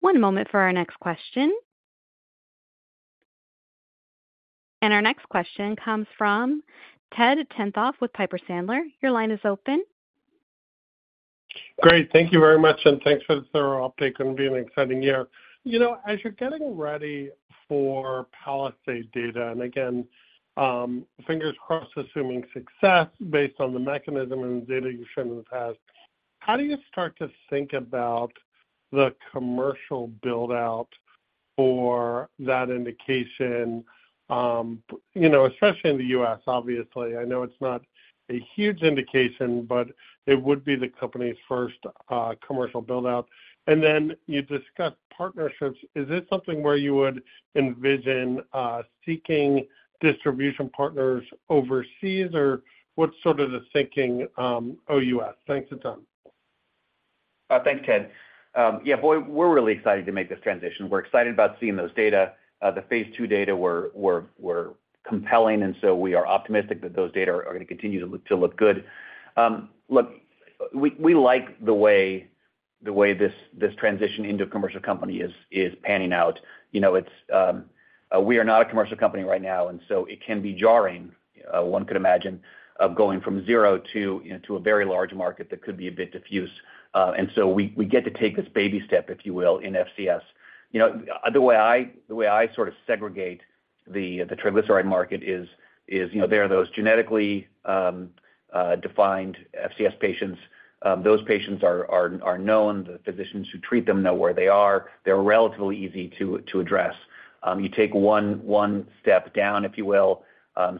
Speaker 1: One moment for our next question. Our next question comes from Ted Tenthoff with Piper Sandler. Your line is open.
Speaker 8: Great. Thank you very much, and thanks for the thorough update. Going to be an exciting year. You know, as you're getting ready for PALISADE data, and again, fingers crossed, assuming success based on the mechanism and the data you've shown in the past, how do you start to think about the commercial build-out for that indication, you know, especially in the US, obviously? I know it's not a huge indication, but it would be the company's first, commercial build-out. And then you discussed partnerships. Is this something where you would envision, seeking distribution partners overseas, or what's sort of the thinking, OUS? Thanks a ton.
Speaker 3: Thanks, Ted. Yeah, boy, we're really excited to make this transition. We're excited about seeing those data. The Phase 2 data were compelling, and so we are optimistic that those data are going to continue to look good. Look, we like the way this transition into a commercial company is panning out. You know, it's, we are not a commercial company right now, and so it can be jarring, one could imagine, of going from zero to, you know, to a very large market that could be a bit diffuse. And so we get to take this baby step, if you will, in FCS. You know, the way I sort of segregate the triglyceride market is, you know, there are those genetically defined FCS patients. Those patients are known. The physicians who treat them know where they are. They're relatively easy to address. You take one step down, if you will,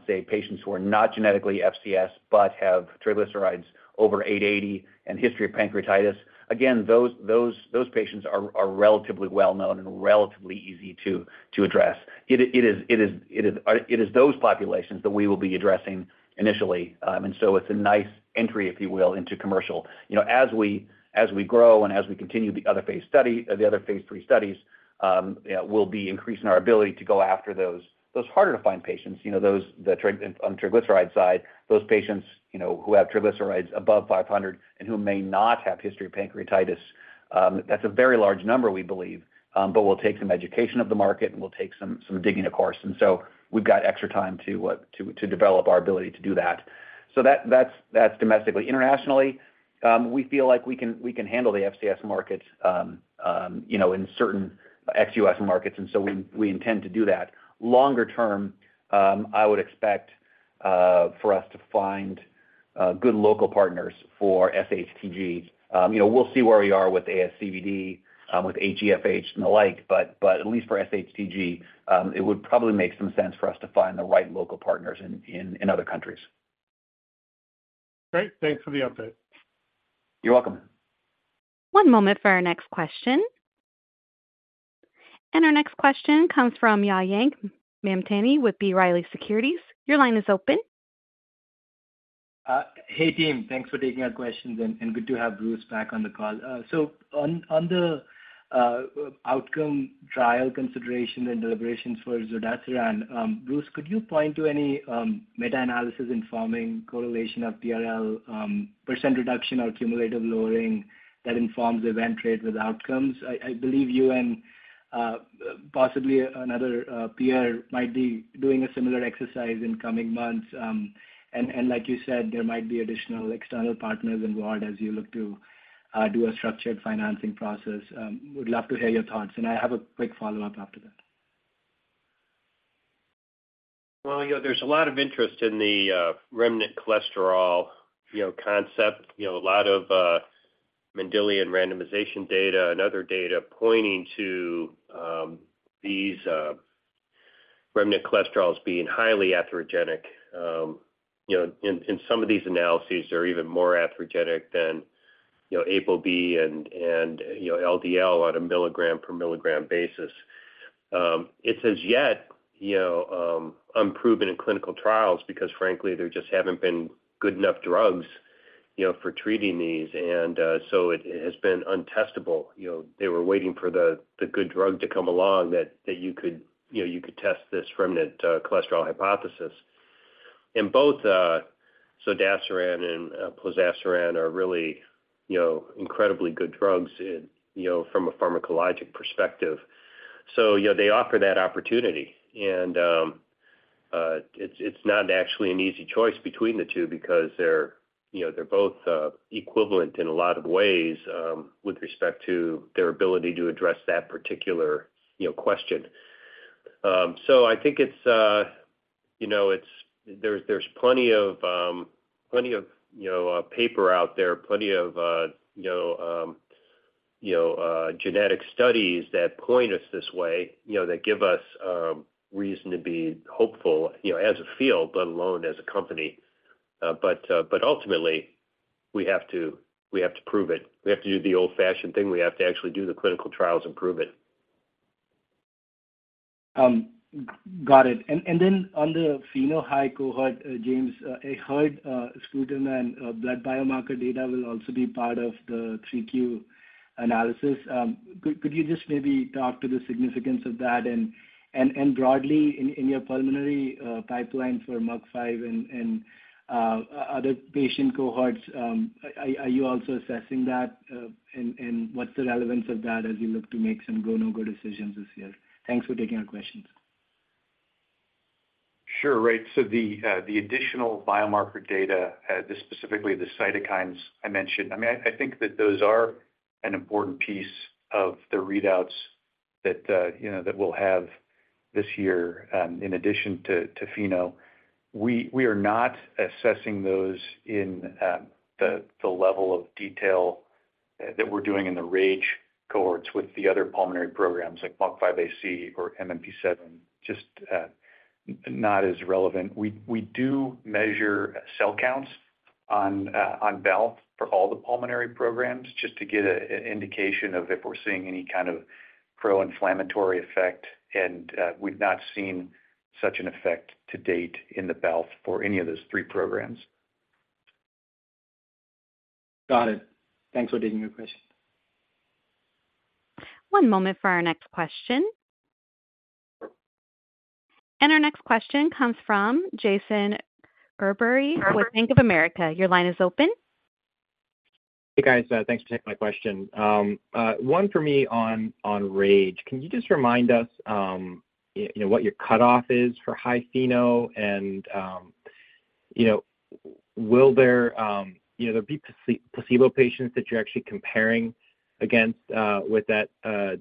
Speaker 3: say, patients who are not genetically FCS, but have triglycerides over 880 and history of pancreatitis. Again, those patients are relatively well-known and relatively easy to address. It is those populations that we will be addressing initially. And so it's a nice entry, if you will, into commercial. You know, as we grow and as we continue the other phase study, the other phase 3 studies, you know, we'll be increasing our ability to go after those harder-to-find patients, you know, those on the triglyceride side, those patients, you know, who have triglycerides above 500 and who may not have history of pancreatitis. That's a very large number, we believe, but we'll take some education of the market, and we'll take some digging, of course. And so we've got extra time to develop our ability to do that.... So that's domestically. Internationally, we feel like we can handle the FCS markets, you know, in certain ex-US markets, and so we intend to do that. Longer term, I would expect for us to find good local partners for SHTG. You know, we'll see where we are with ASCVD, with HEFH and the like, but at least for SHTG, it would probably make some sense for us to find the right local partners in other countries.
Speaker 7: Great. Thanks for the update. You're welcome.
Speaker 1: One moment for our next question. Our next question comes from Mayank Mamtani with B. Riley Securities. Your line is open.
Speaker 9: Hey, team. Thanks for taking our questions, and good to have Bruce back on the call. So on the outcome trial consideration and deliberations for zodasiran, Bruce, could you point to any meta-analysis informing correlation of PLL percent reduction or cumulative lowering that informs event rate with outcomes? I believe you and possibly another peer might be doing a similar exercise in coming months. And like you said, there might be additional external partners involved as you look to do a structured financing process. Would love to hear your thoughts, and I have a quick follow-up after that.
Speaker 4: Well, you know, there's a lot of interest in the, remnant cholesterol, you know, concept. You know, a lot of, Mendelian randomization data and other data pointing to, these, remnant cholesterols being highly atherogenic. You know, in, in some of these analyses, they're even more atherogenic than, you know, ApoB and, and, you know, LDL on a milligram per milligram basis. It says yet, you know, unproven in clinical trials because frankly, there just haven't been good enough drugs, you know, for treating these, and, so it, it has been untestable. You know, they were waiting for the, the good drug to come along that, that you could, you know, you could test this remnant, cholesterol hypothesis. And both, zodasiran and, plozasiran are really, you know, incredibly good drugs in, you know, from a pharmacologic perspective. So, you know, they offer that opportunity, and it's not actually an easy choice between the two because they're both, you know, equivalent in a lot of ways with respect to their ability to address that particular, you know, question. So I think there's plenty of, you know, paper out there, plenty of genetic studies that point us this way, you know, that give us reason to be hopeful, you know, as a field, let alone as a company. But ultimately, we have to prove it. We have to do the old-fashioned thing. We have to actually do the clinical trials and prove it.
Speaker 9: Got it. And then on the FeNO high cohort, James, I heard serum and blood biomarker data will also be part of the 3Q analysis. Could you just maybe talk to the significance of that and broadly in your Pulmonary pipeline for MUC5AC and other patient cohorts, are you also assessing that and what's the relevance of that as you look to make some go/no-go decisions this year? Thanks for taking our questions.
Speaker 5: Sure. Right. So the additional biomarker data, specifically the cytokines I mentioned, I mean, I think that those are an important piece of the readouts that, you know, that we'll have this year, in addition to FeNO. We are not assessing those in the level of detail that we're doing in the RAGE cohorts with the other Pulmonary programs like MUC5AC or MMP7, just not as relevant. We do measure cell counts on BAL for all the Pulmonary programs just to get an indication of if we're seeing any kind of pro-inflammatory effect, and we've not seen such an effect to date in the BAL for any of those three programs.
Speaker 9: Got it. Thanks for taking my question.
Speaker 1: One moment for our next question. Our next question comes from Jason Gerberry with Bank of America. Your line is open.
Speaker 10: Hey, guys, thanks for taking my question. One for me on RAGE. Can you just remind us, you know, what your cutoff is for high FeNO and, you know, will there, you know, there be placebo patients that you're actually comparing against, with that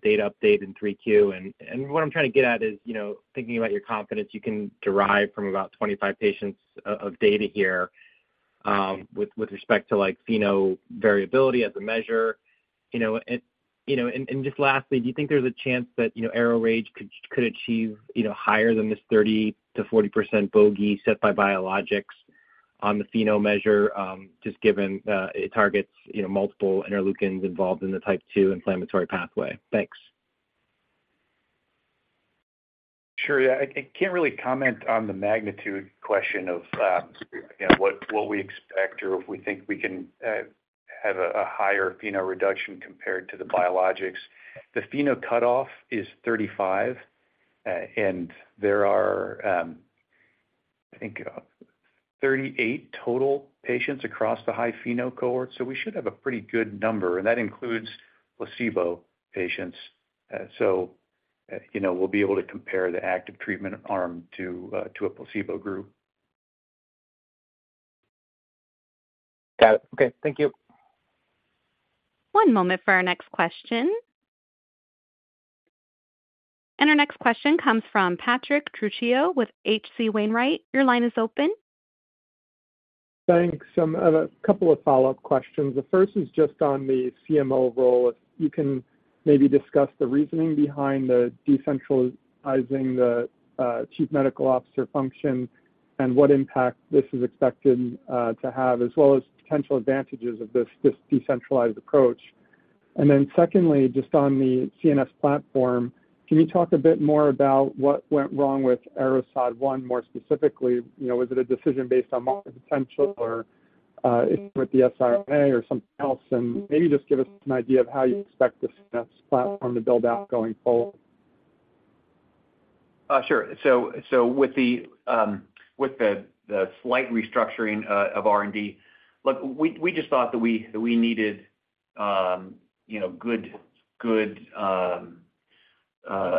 Speaker 10: data update in 3Q? What I'm trying to get at is, you know, thinking about your confidence you can derive from about 25 patients of data here, with respect to, like, FeNO variability as a measure, you know, and just lastly, do you think there's a chance that, you know, ARO-RAGE could achieve, you know, higher than this 30%-40% bogey set by biologics on the FeNO measure, just given it targets, you know, multiple interleukins involved in the type two inflammatory pathway? Thanks.
Speaker 3: Sure. Yeah, I can't really comment on the magnitude question of, you know, what we expect or if we think we can have a higher FeNO reduction compared to the biologics. The FeNO cutoff is 35, and there are, I think, 38 total patients across the high FeNO cohort, so we should have a pretty good number, and that includes placebo patients. So-... you know, we'll be able to compare the active treatment arm to, to a placebo group.
Speaker 10: Got it. Okay. Thank you.
Speaker 1: One moment for our next question. Our next question comes from Patrick Trucchio with H.C. Wainwright. Your line is open.
Speaker 11: Thanks. I have a couple of follow-up questions. The first is just on the CMO role. If you can maybe discuss the reasoning behind the decentralizing the chief medical officer function and what impact this is expected to have, as well as potential advantages of this decentralized approach. And then secondly, just on the CNS platform, can you talk a bit more about what went wrong with ARO-SOD1 more specifically? You know, was it a decision based on market potential or with the SRA or something else? And maybe just give us an idea of how you expect this platform to build out going forward.
Speaker 3: Sure. So, with the slight restructuring of R&D, look, we just thought that we needed you know, good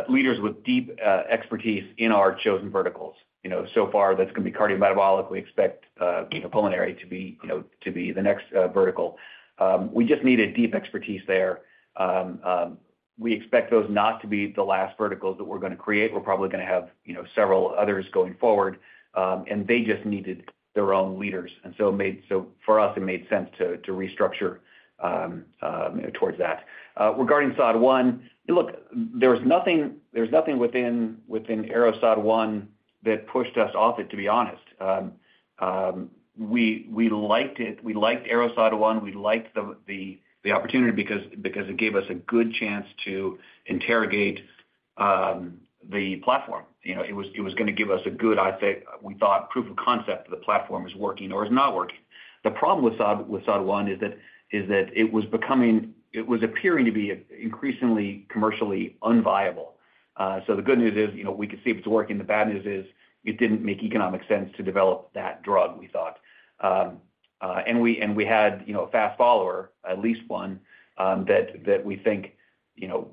Speaker 3: leaders with deep expertise in our chosen verticals. You know, so far, that's gonna be Cardiometabolic. We expect you know, Pulmonary to be you know, to be the next vertical. We just needed deep expertise there. We expect those not to be the last verticals that we're gonna create. We're probably gonna have you know, several others going forward, and they just needed their own leaders, and so it made sense. So for us, it made sense to restructure towards that. Regarding SOD1, look, there was nothing—there's nothing within Arrow SOD1 that pushed us off it, to be honest. We liked it. We liked ARO-SOD1. We liked the opportunity because it gave us a good chance to interrogate the platform. You know, it was gonna give us a good, I'd say, we thought, proof of concept that the platform is working or is not working. The problem with SOD1 is that it was becoming, it was appearing to be increasingly commercially unviable. So the good news is, you know, we could see if it's working. The bad news is, it didn't make economic sense to develop that drug, we thought. And we had, you know, a fast follower, at least one, that we think, you know,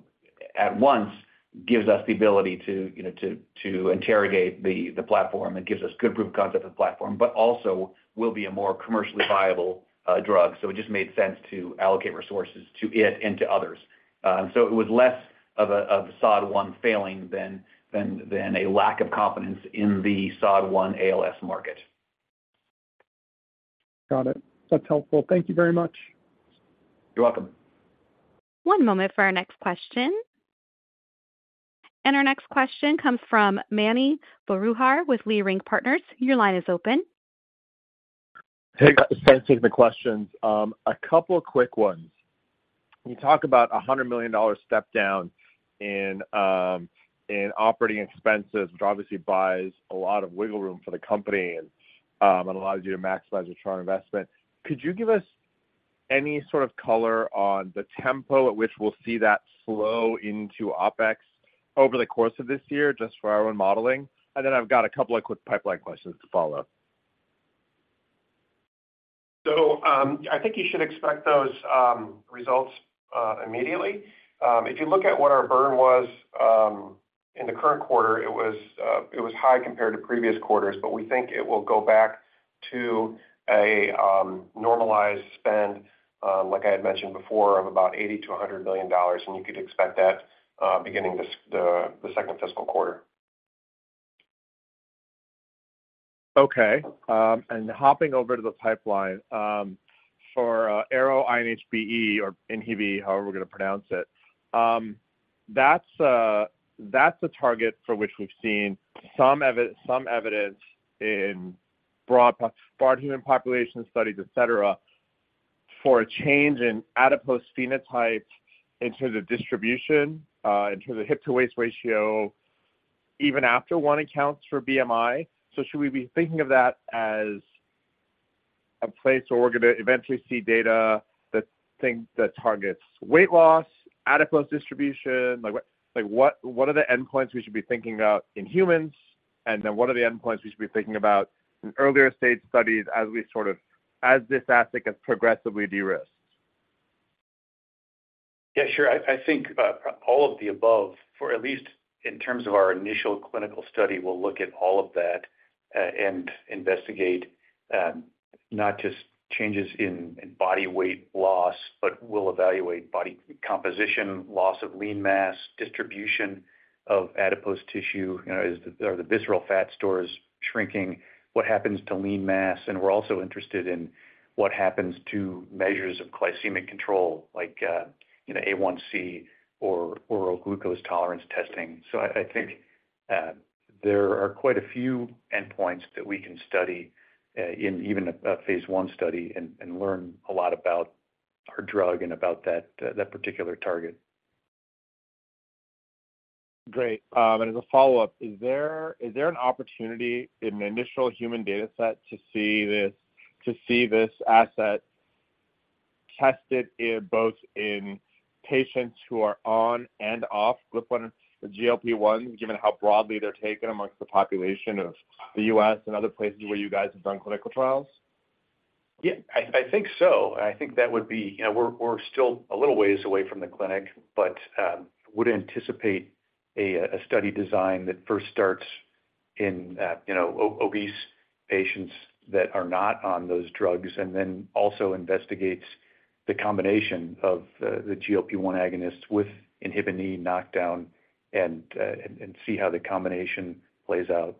Speaker 3: at once gives us the ability to, you know, to interrogate the platform and gives us good proof of concept of the platform, but also will be a more commercially viable drug. So it just made sense to allocate resources to it and to others. So it was less of a SOD1 failing than a lack of confidence in the SOD1 ALS market.
Speaker 11: Got it. That's helpful. Thank you very much.
Speaker 3: You're welcome.
Speaker 1: One moment for our next question. Our next question comes from Mani Foroohar with Leerink Partners. Your line is open.
Speaker 12: Hey, guys. Thanks for taking the questions. A couple of quick ones. You talk about a $100 million step down in operating expenses, which obviously buys a lot of wiggle room for the company and allows you to maximize your return on investment. Could you give us any sort of color on the tempo at which we'll see that flow into OpEx over the course of this year, just for our own modeling? And then I've got a couple of quick pipeline questions to follow up.
Speaker 4: So, I think you should expect those results immediately. If you look at what our burn was in the current quarter, it was high compared to previous quarters, but we think it will go back to a normalized spend, like I had mentioned before, of about $80 million-$100 million, and you could expect that beginning the second fiscal quarter.
Speaker 3: Okay, and hopping over to the pipeline, for ARO-INHBE or INHBE, however we're going to pronounce it. That's a target for which we've seen some evidence in broad human population studies, et cetera, for a change in adipose FeNOtype in terms of distribution, in terms of hip to waist ratio, even after one accounts for BMI. So should we be thinking of that as a place where we're gonna eventually see data that targets weight loss, adipose distribution? Like what, like what, what are the endpoints we should be thinking about in humans, and then what are the endpoints we should be thinking about in earlier stage studies as we sort of, as this asset is progressively de-risked?
Speaker 4: Yeah, sure. I think all of the above, for at least in terms of our initial clinical study, we'll look at all of that, and investigate not just changes in body weight loss, but we'll evaluate body composition, loss of lean mass, distribution of adipose tissue. You know, are the visceral fat stores shrinking? What happens to lean mass? And we're also interested in what happens to measures of glycemic control, like you know, A1C or oral glucose tolerance testing. So I think there are quite a few endpoints that we can study in even a phase 1 study and learn a lot about our drug and about that particular target.
Speaker 12: Great. As a follow-up, is there an opportunity in the initial human data set to see this asset tested in both patients who are on and off GLP-1, given how broadly they're taken among the population of the US and other places where you guys have done clinical trials?...
Speaker 3: Yeah, I think so. I think that would be, you know, we're still a little ways away from the clinic, but would anticipate a study design that first starts in, you know, obese patients that are not on those drugs, and then also investigates the combination of the GLP-1 agonists with inhibin E knockdown and see how the combination plays out.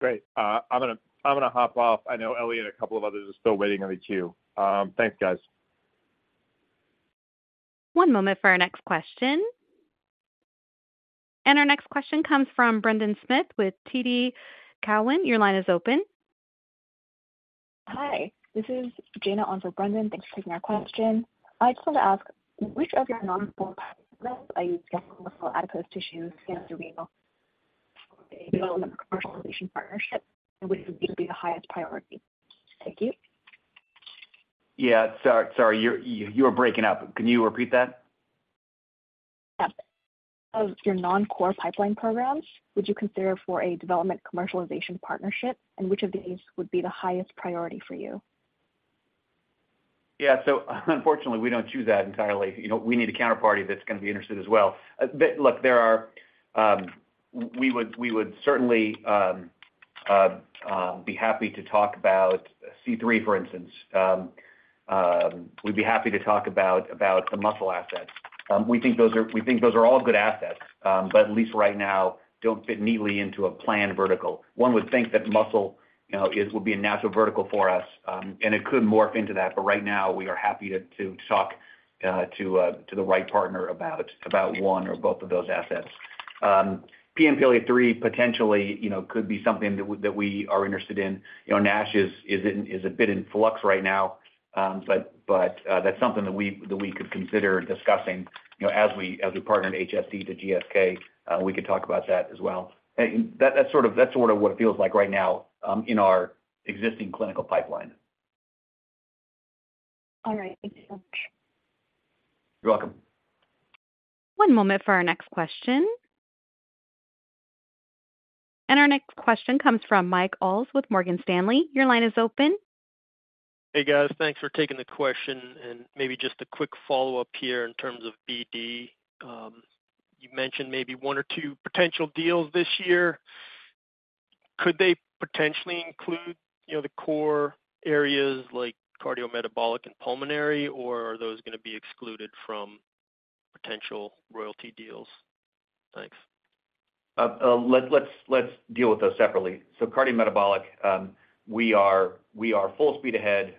Speaker 12: Great. I'm gonna, I'm gonna hop off. I know Ellie and a couple of others are still waiting on the queue. Thanks, guys.
Speaker 1: One moment for our next question. Our next question comes from Brendan Smith with TD Cowen. Your line is open.
Speaker 13: Hi, this is Jana on for Brendan. Thanks for taking our question. I just wanted to ask, which of your non-core are you getting for adipose tissue in the renal commercialization partnership, and which would be the highest priority? Thank you.
Speaker 3: Yeah, sorry, sorry, you were breaking up. Can you repeat that?
Speaker 13: Yeah. Of your non-core pipeline programs, would you consider for a development commercialization partnership, and which of these would be the highest priority for you?
Speaker 3: Yeah. So unfortunately, we don't choose that entirely. You know, we need a counterparty that's going to be interested as well. But look, there are. We would certainly be happy to talk about C3, for instance. We'd be happy to talk about the muscle assets. We think those are, we think those are all good assets, but at least right now, don't fit neatly into a planned vertical. One would think that muscle, you know, would be a natural vertical for us, and it could morph into that, but right now we are happy to talk to the right partner about one or both of those assets. PNPLA3 potentially, you know, could be something that we are interested in. You know, NASH is a bit in flux right now, but that's something that we could consider discussing, you know, as we partner in HSD to GSK. We could talk about that as well. And that's sort of what it feels like right now in our existing clinical pipeline.
Speaker 13: All right. Thank you so much.
Speaker 3: You're welcome.
Speaker 1: One moment for our next question. Our next question comes from Mike Ulz with Morgan Stanley. Your line is open.
Speaker 14: Hey, guys. Thanks for taking the question, and maybe just a quick follow-up here in terms of BD. You mentioned maybe one or two potential deals this year. Could they potentially include, you know, the core areas like Cardiometabolic and Pulmonary, or are those gonna be excluded from potential royalty deals? Thanks.
Speaker 3: Let's deal with those separately. So Cardiometabolic, we are full speed ahead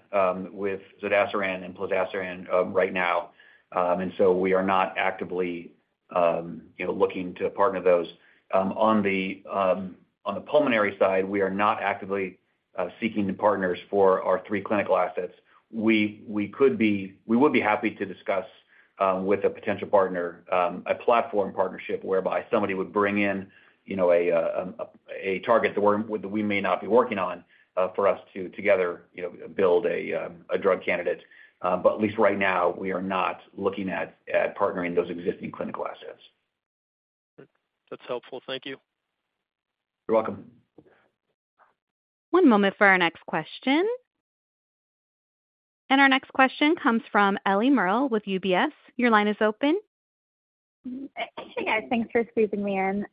Speaker 3: with zodasiran and plozasiran right now. And so we are not actively, you know, looking to partner those. On the Pulmonary side, we are not actively seeking the partners for our three clinical assets. We would be happy to discuss with a potential partner a platform partnership whereby somebody would bring in, you know, a target that we may not be working on, for us to together, you know, build a drug candidate. But at least right now, we are not looking at partnering those existing clinical assets.
Speaker 14: That's helpful. Thank you.
Speaker 3: You're welcome.
Speaker 1: One moment for our next question. Our next question comes from Ellie Merle with UBS. Your line is open.
Speaker 15: Hey, guys. Thanks for squeezing me in.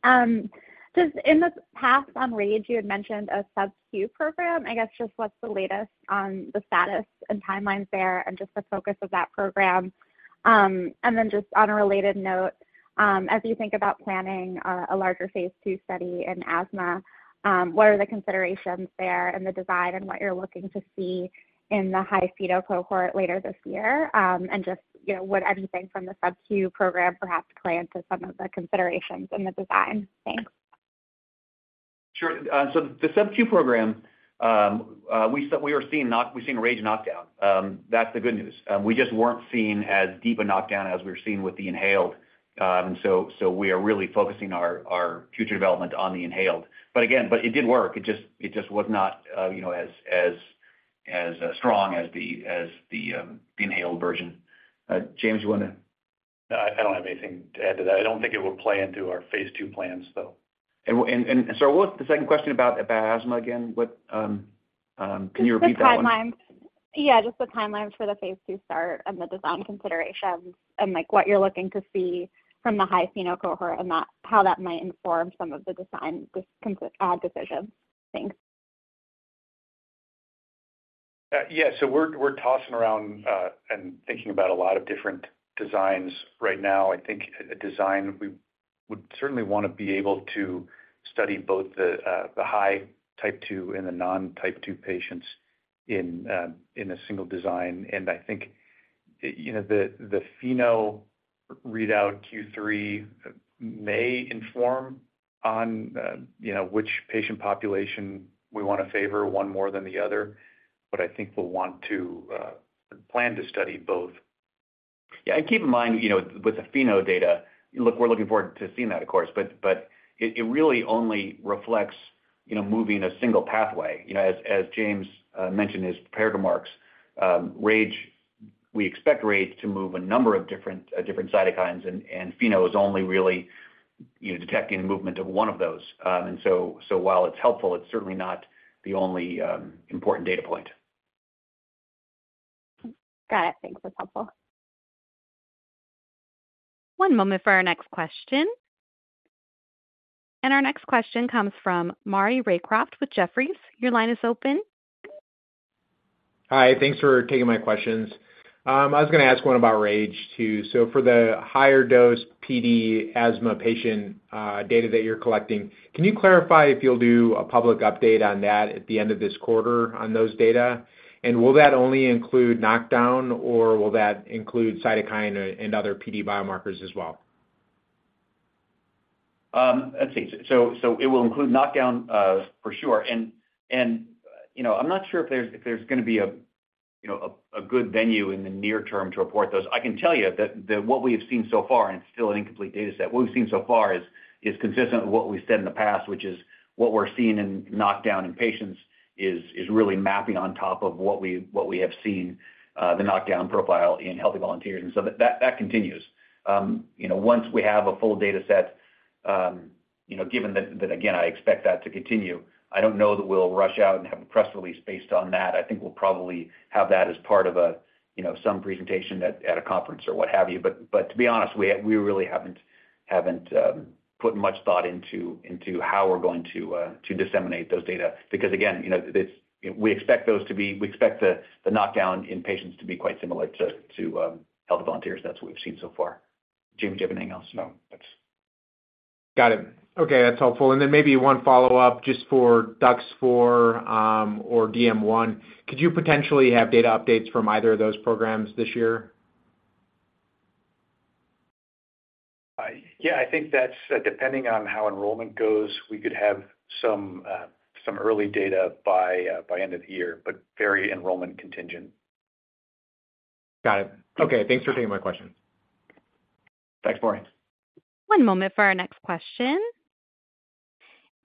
Speaker 15: Just in the past, on RAGE, you had mentioned a subQ program. I guess, just what's the latest on the status and timelines there and just the focus of that program? And then just on a related note, as you think about planning a larger phase 2 study in asthma, what are the considerations there and the design and what you're looking to see in the high FeNO cohort later this year? And just, you know, would anything from the subQ program perhaps play into some of the considerations in the design? Thanks.
Speaker 3: Sure. So the subQ program, we are seeing RAGE knockdown. That's the good news. We just weren't seeing as deep a knockdown as we were seeing with the inhaled. So, so we are really focusing our, our future development on the inhaled. But again, but it did work. It just, it just was not, you know, as, as, as strong as the, as the, the inhaled version. James, you want to?
Speaker 5: I don't have anything to add to that. I don't think it will play into our phase 2 plans, though.
Speaker 3: So what was the second question about asthma again? What, can you repeat that one?
Speaker 15: Just the timelines. Yeah, just the timelines for the phase 2 start and the design considerations and, like, what you're looking to see from the high FeNO cohort and that, how that might inform some of the design decisions. Thanks.
Speaker 5: Yeah. So we're tossing around and thinking about a lot of different designs right now. I think a design we would certainly want to be able to study both the high type 2 and the non-type 2 patients in a single design. And I think, you know, the FeNO readout Q3 may inform on, you know, which patient population we want to favor one more than the other, but I think we'll want to plan to study both.
Speaker 3: Yeah, and keep in mind, you know, with the FeNO data, look, we're looking forward to seeing that, of course, but it really only reflects, you know, moving a single pathway. You know, as James mentioned in his prepared remarks, RAGE.... we expect RAGE to move a number of different cytokines, and FeNO is only really, you know, detecting movement of one of those. And so while it's helpful, it's certainly not the only important data point.
Speaker 15: Got it. Thanks, that's helpful.
Speaker 1: One moment for our next question. Our next question comes from Maury Raycroft with Jefferies. Your line is open.
Speaker 16: Hi, thanks for taking my questions. I was gonna ask one about RAGE, too. So for the higher dose PD asthma patient data that you're collecting, can you clarify if you'll do a public update on that at the end of this quarter on those data? And will that only include knockdown, or will that include cytokine and other PD biomarkers as well?
Speaker 3: Let's see. So, it will include knockdown, for sure. And, you know, I'm not sure if there's gonna be a, you know, a good venue in the near term to report those. I can tell you that what we have seen so far, and it's still an incomplete data set, what we've seen so far is consistent with what we've said in the past, which is what we're seeing in knockdown in patients is really mapping on top of what we have seen, the knockdown profile in healthy volunteers, and so that continues. You know, once we have a full data set, you know, given that, again, I expect that to continue, I don't know that we'll rush out and have a press release based on that. I think we'll probably have that as part of a, you know, some presentation at a conference or what have you. But to be honest, we really haven't put much thought into how we're going to disseminate those data. Because, again, you know, this... We expect those to be—we expect the knockdown in patients to be quite similar to healthy volunteers. That's what we've seen so far. Jim, do you have anything else? No, that's-
Speaker 16: Got it. Okay, that's helpful. And then maybe one follow-up just for DUX4, or DM1. Could you potentially have data updates from either of those programs this year?
Speaker 3: Yeah, I think that's, depending on how enrollment goes, we could have some early data by end of the year, but very enrollment contingent.
Speaker 16: Got it. Okay, thanks for taking my questions.
Speaker 4: Thanks, Maury.
Speaker 1: One moment for our next question.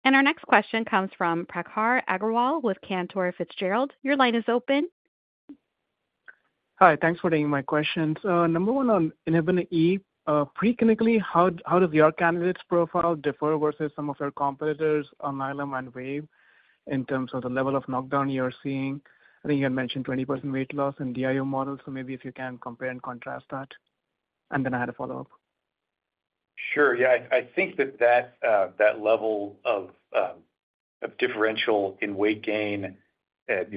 Speaker 1: Our next question comes from Prakhar Agrawal with Cantor Fitzgerald. Your line is open.
Speaker 17: Hi, thanks for taking my questions. Number one, on INHBE, preclinically, how does your candidate's profile differ versus some of your competitors, Alnylam and Wave, in terms of the level of knockdown you're seeing? I think you had mentioned 20% weight loss in DIO models, so maybe if you can compare and contrast that. And then I had a follow-up.
Speaker 3: Sure. Yeah, I think that level of differential in weight gain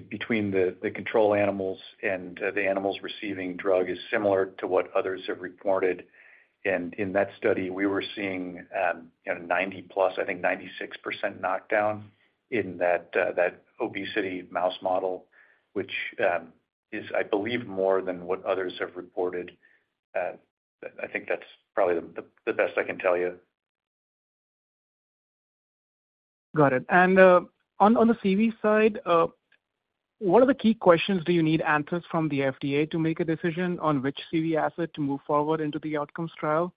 Speaker 3: between the control animals and the animals receiving drug is similar to what others have reported. In that study, we were seeing, you know, 90+, I think 96% knockdown in that obesity mouse model, which is, I believe, more than what others have reported. I think that's probably the best I can tell you.
Speaker 17: Got it. And, on the CV side, what are the key questions do you need answers from the FDA to make a decision on which CV asset to move forward into the outcomes trial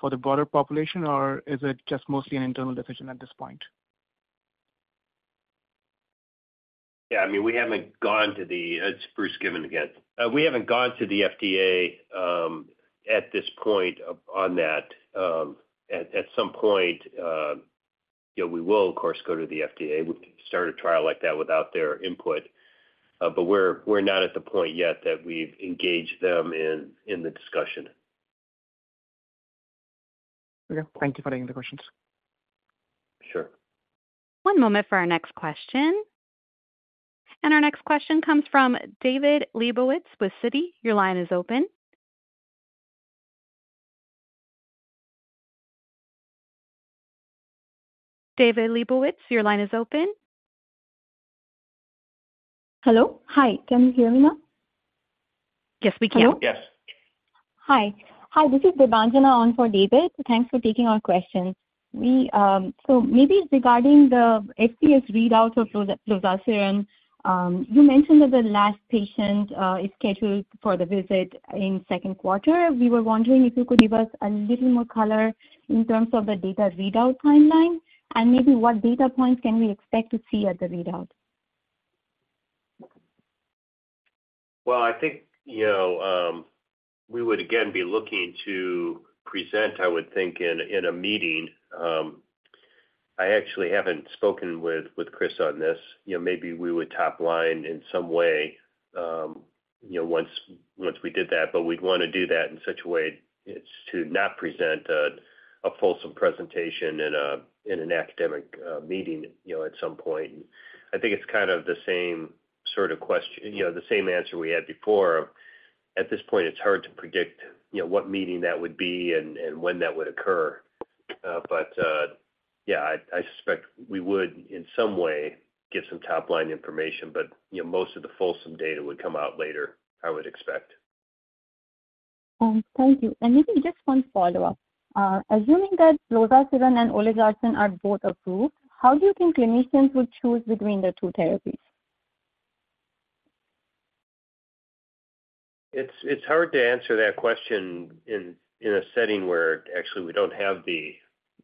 Speaker 17: for the broader population, or is it just mostly an internal decision at this point?
Speaker 4: Yeah, I mean, we haven't gone to the... It's Bruce Given again. We haven't gone to the FDA at this point on that. At some point, you know, we will, of course, go to the FDA. We start a trial like that without their input, but we're not at the point yet that we've engaged them in the discussion.
Speaker 17: Okay. Thank you for taking the questions.
Speaker 4: Sure.
Speaker 1: One moment for our next question. Our next question comes from David Lebovitz with Citi. Your line is open. David Lebovitz, your line is open.
Speaker 18: Hello? Hi, can you hear me now?
Speaker 1: Yes, we can.
Speaker 4: Hello. Yes.
Speaker 18: Hi. Hi, this is Vibha on for David. Thanks for taking our questions. We so maybe regarding the FCS readout of plozasiran, you mentioned that the last patient is scheduled for the visit in second quarter. We were wondering if you could give us a little more color in terms of the data readout timeline, and maybe what data points can we expect to see at the readout?
Speaker 4: Well, I think, you know, we would again be looking to present, I would think, in a meeting. I actually haven't spoken with Chris on this. You know, maybe we would top line in some way, you know, once we did that, but we'd want to do that in such a way it's to not present a fulsome presentation in an academic meeting, you know, at some point. I think it's kind of the same sort of question, you know, the same answer we had before. At this point, it's hard to predict, you know, what meeting that would be and when that would occur. But yeah, I suspect we would, in some way, give some top-line information, but, you know, most of the fulsome data would come out later, I would expect.
Speaker 18: Thank you. Maybe just one follow-up. Assuming that plozasiran and olpasiran are both approved, how do you think clinicians would choose between the two therapies?
Speaker 4: It's hard to answer that question in a setting where actually we don't have the,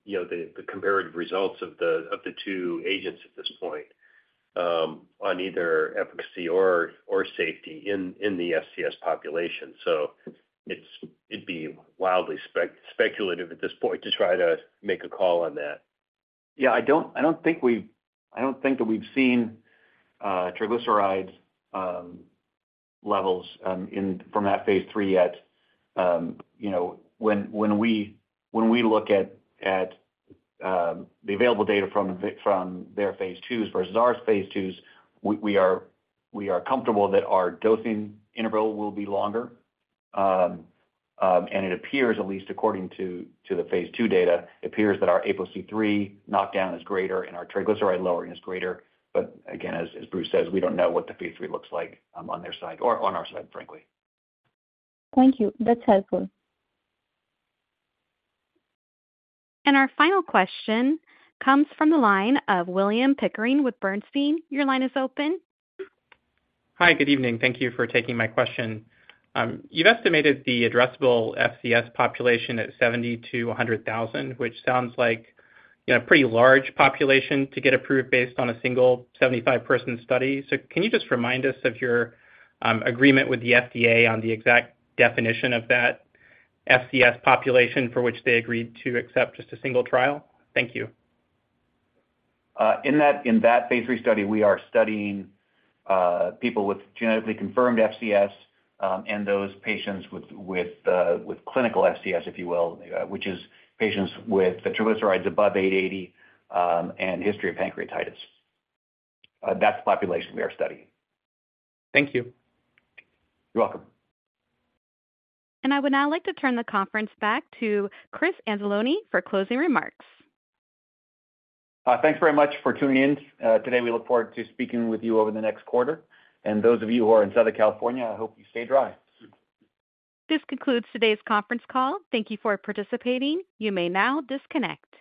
Speaker 4: you know, the comparative results of the two agents at this point... on either efficacy or safety in the FCS population. So it'd be wildly speculative at this point to try to make a call on that.
Speaker 3: Yeah, I don't think that we've seen triglyceride levels in from that Phase 3 yet. You know, when we look at the available data from their Phase 2s versus our Phase 2s, we are comfortable that our dosing interval will be longer. And it appears, at least according to the Phase 2 data, that our apo C-III knockdown is greater and our triglyceride lowering is greater. But again, as Bruce says, we don't know what the Phase 3 looks like on their side or on our side, frankly.
Speaker 18: Thank you. That's helpful.
Speaker 1: Our final question comes from the line of William Pickering with Bernstein. Your line is open.
Speaker 19: Hi, good evening. Thank you for taking my question. You've estimated the addressable FCS population at 70-100 thousand, which sounds like, you know, a pretty large population to get approved based on a single 75-person study. So can you just remind us of your agreement with the FDA on the exact definition of that FCS population for which they agreed to accept just a single trial? Thank you.
Speaker 3: In that phase 3 study, we are studying people with genetically confirmed FCS, and those patients with clinical FCS, if you will, which is patients with triglycerides above 880, and history of pancreatitis. That's the population we are studying.
Speaker 19: Thank you.
Speaker 3: You're welcome.
Speaker 1: I would now like to turn the conference back to Chris Anzalone for closing remarks.
Speaker 3: Thanks very much for tuning in, today. We look forward to speaking with you over the next quarter. And those of you who are in Southern California, I hope you stay dry.
Speaker 1: This concludes today's conference call. Thank you for participating. You may now disconnect.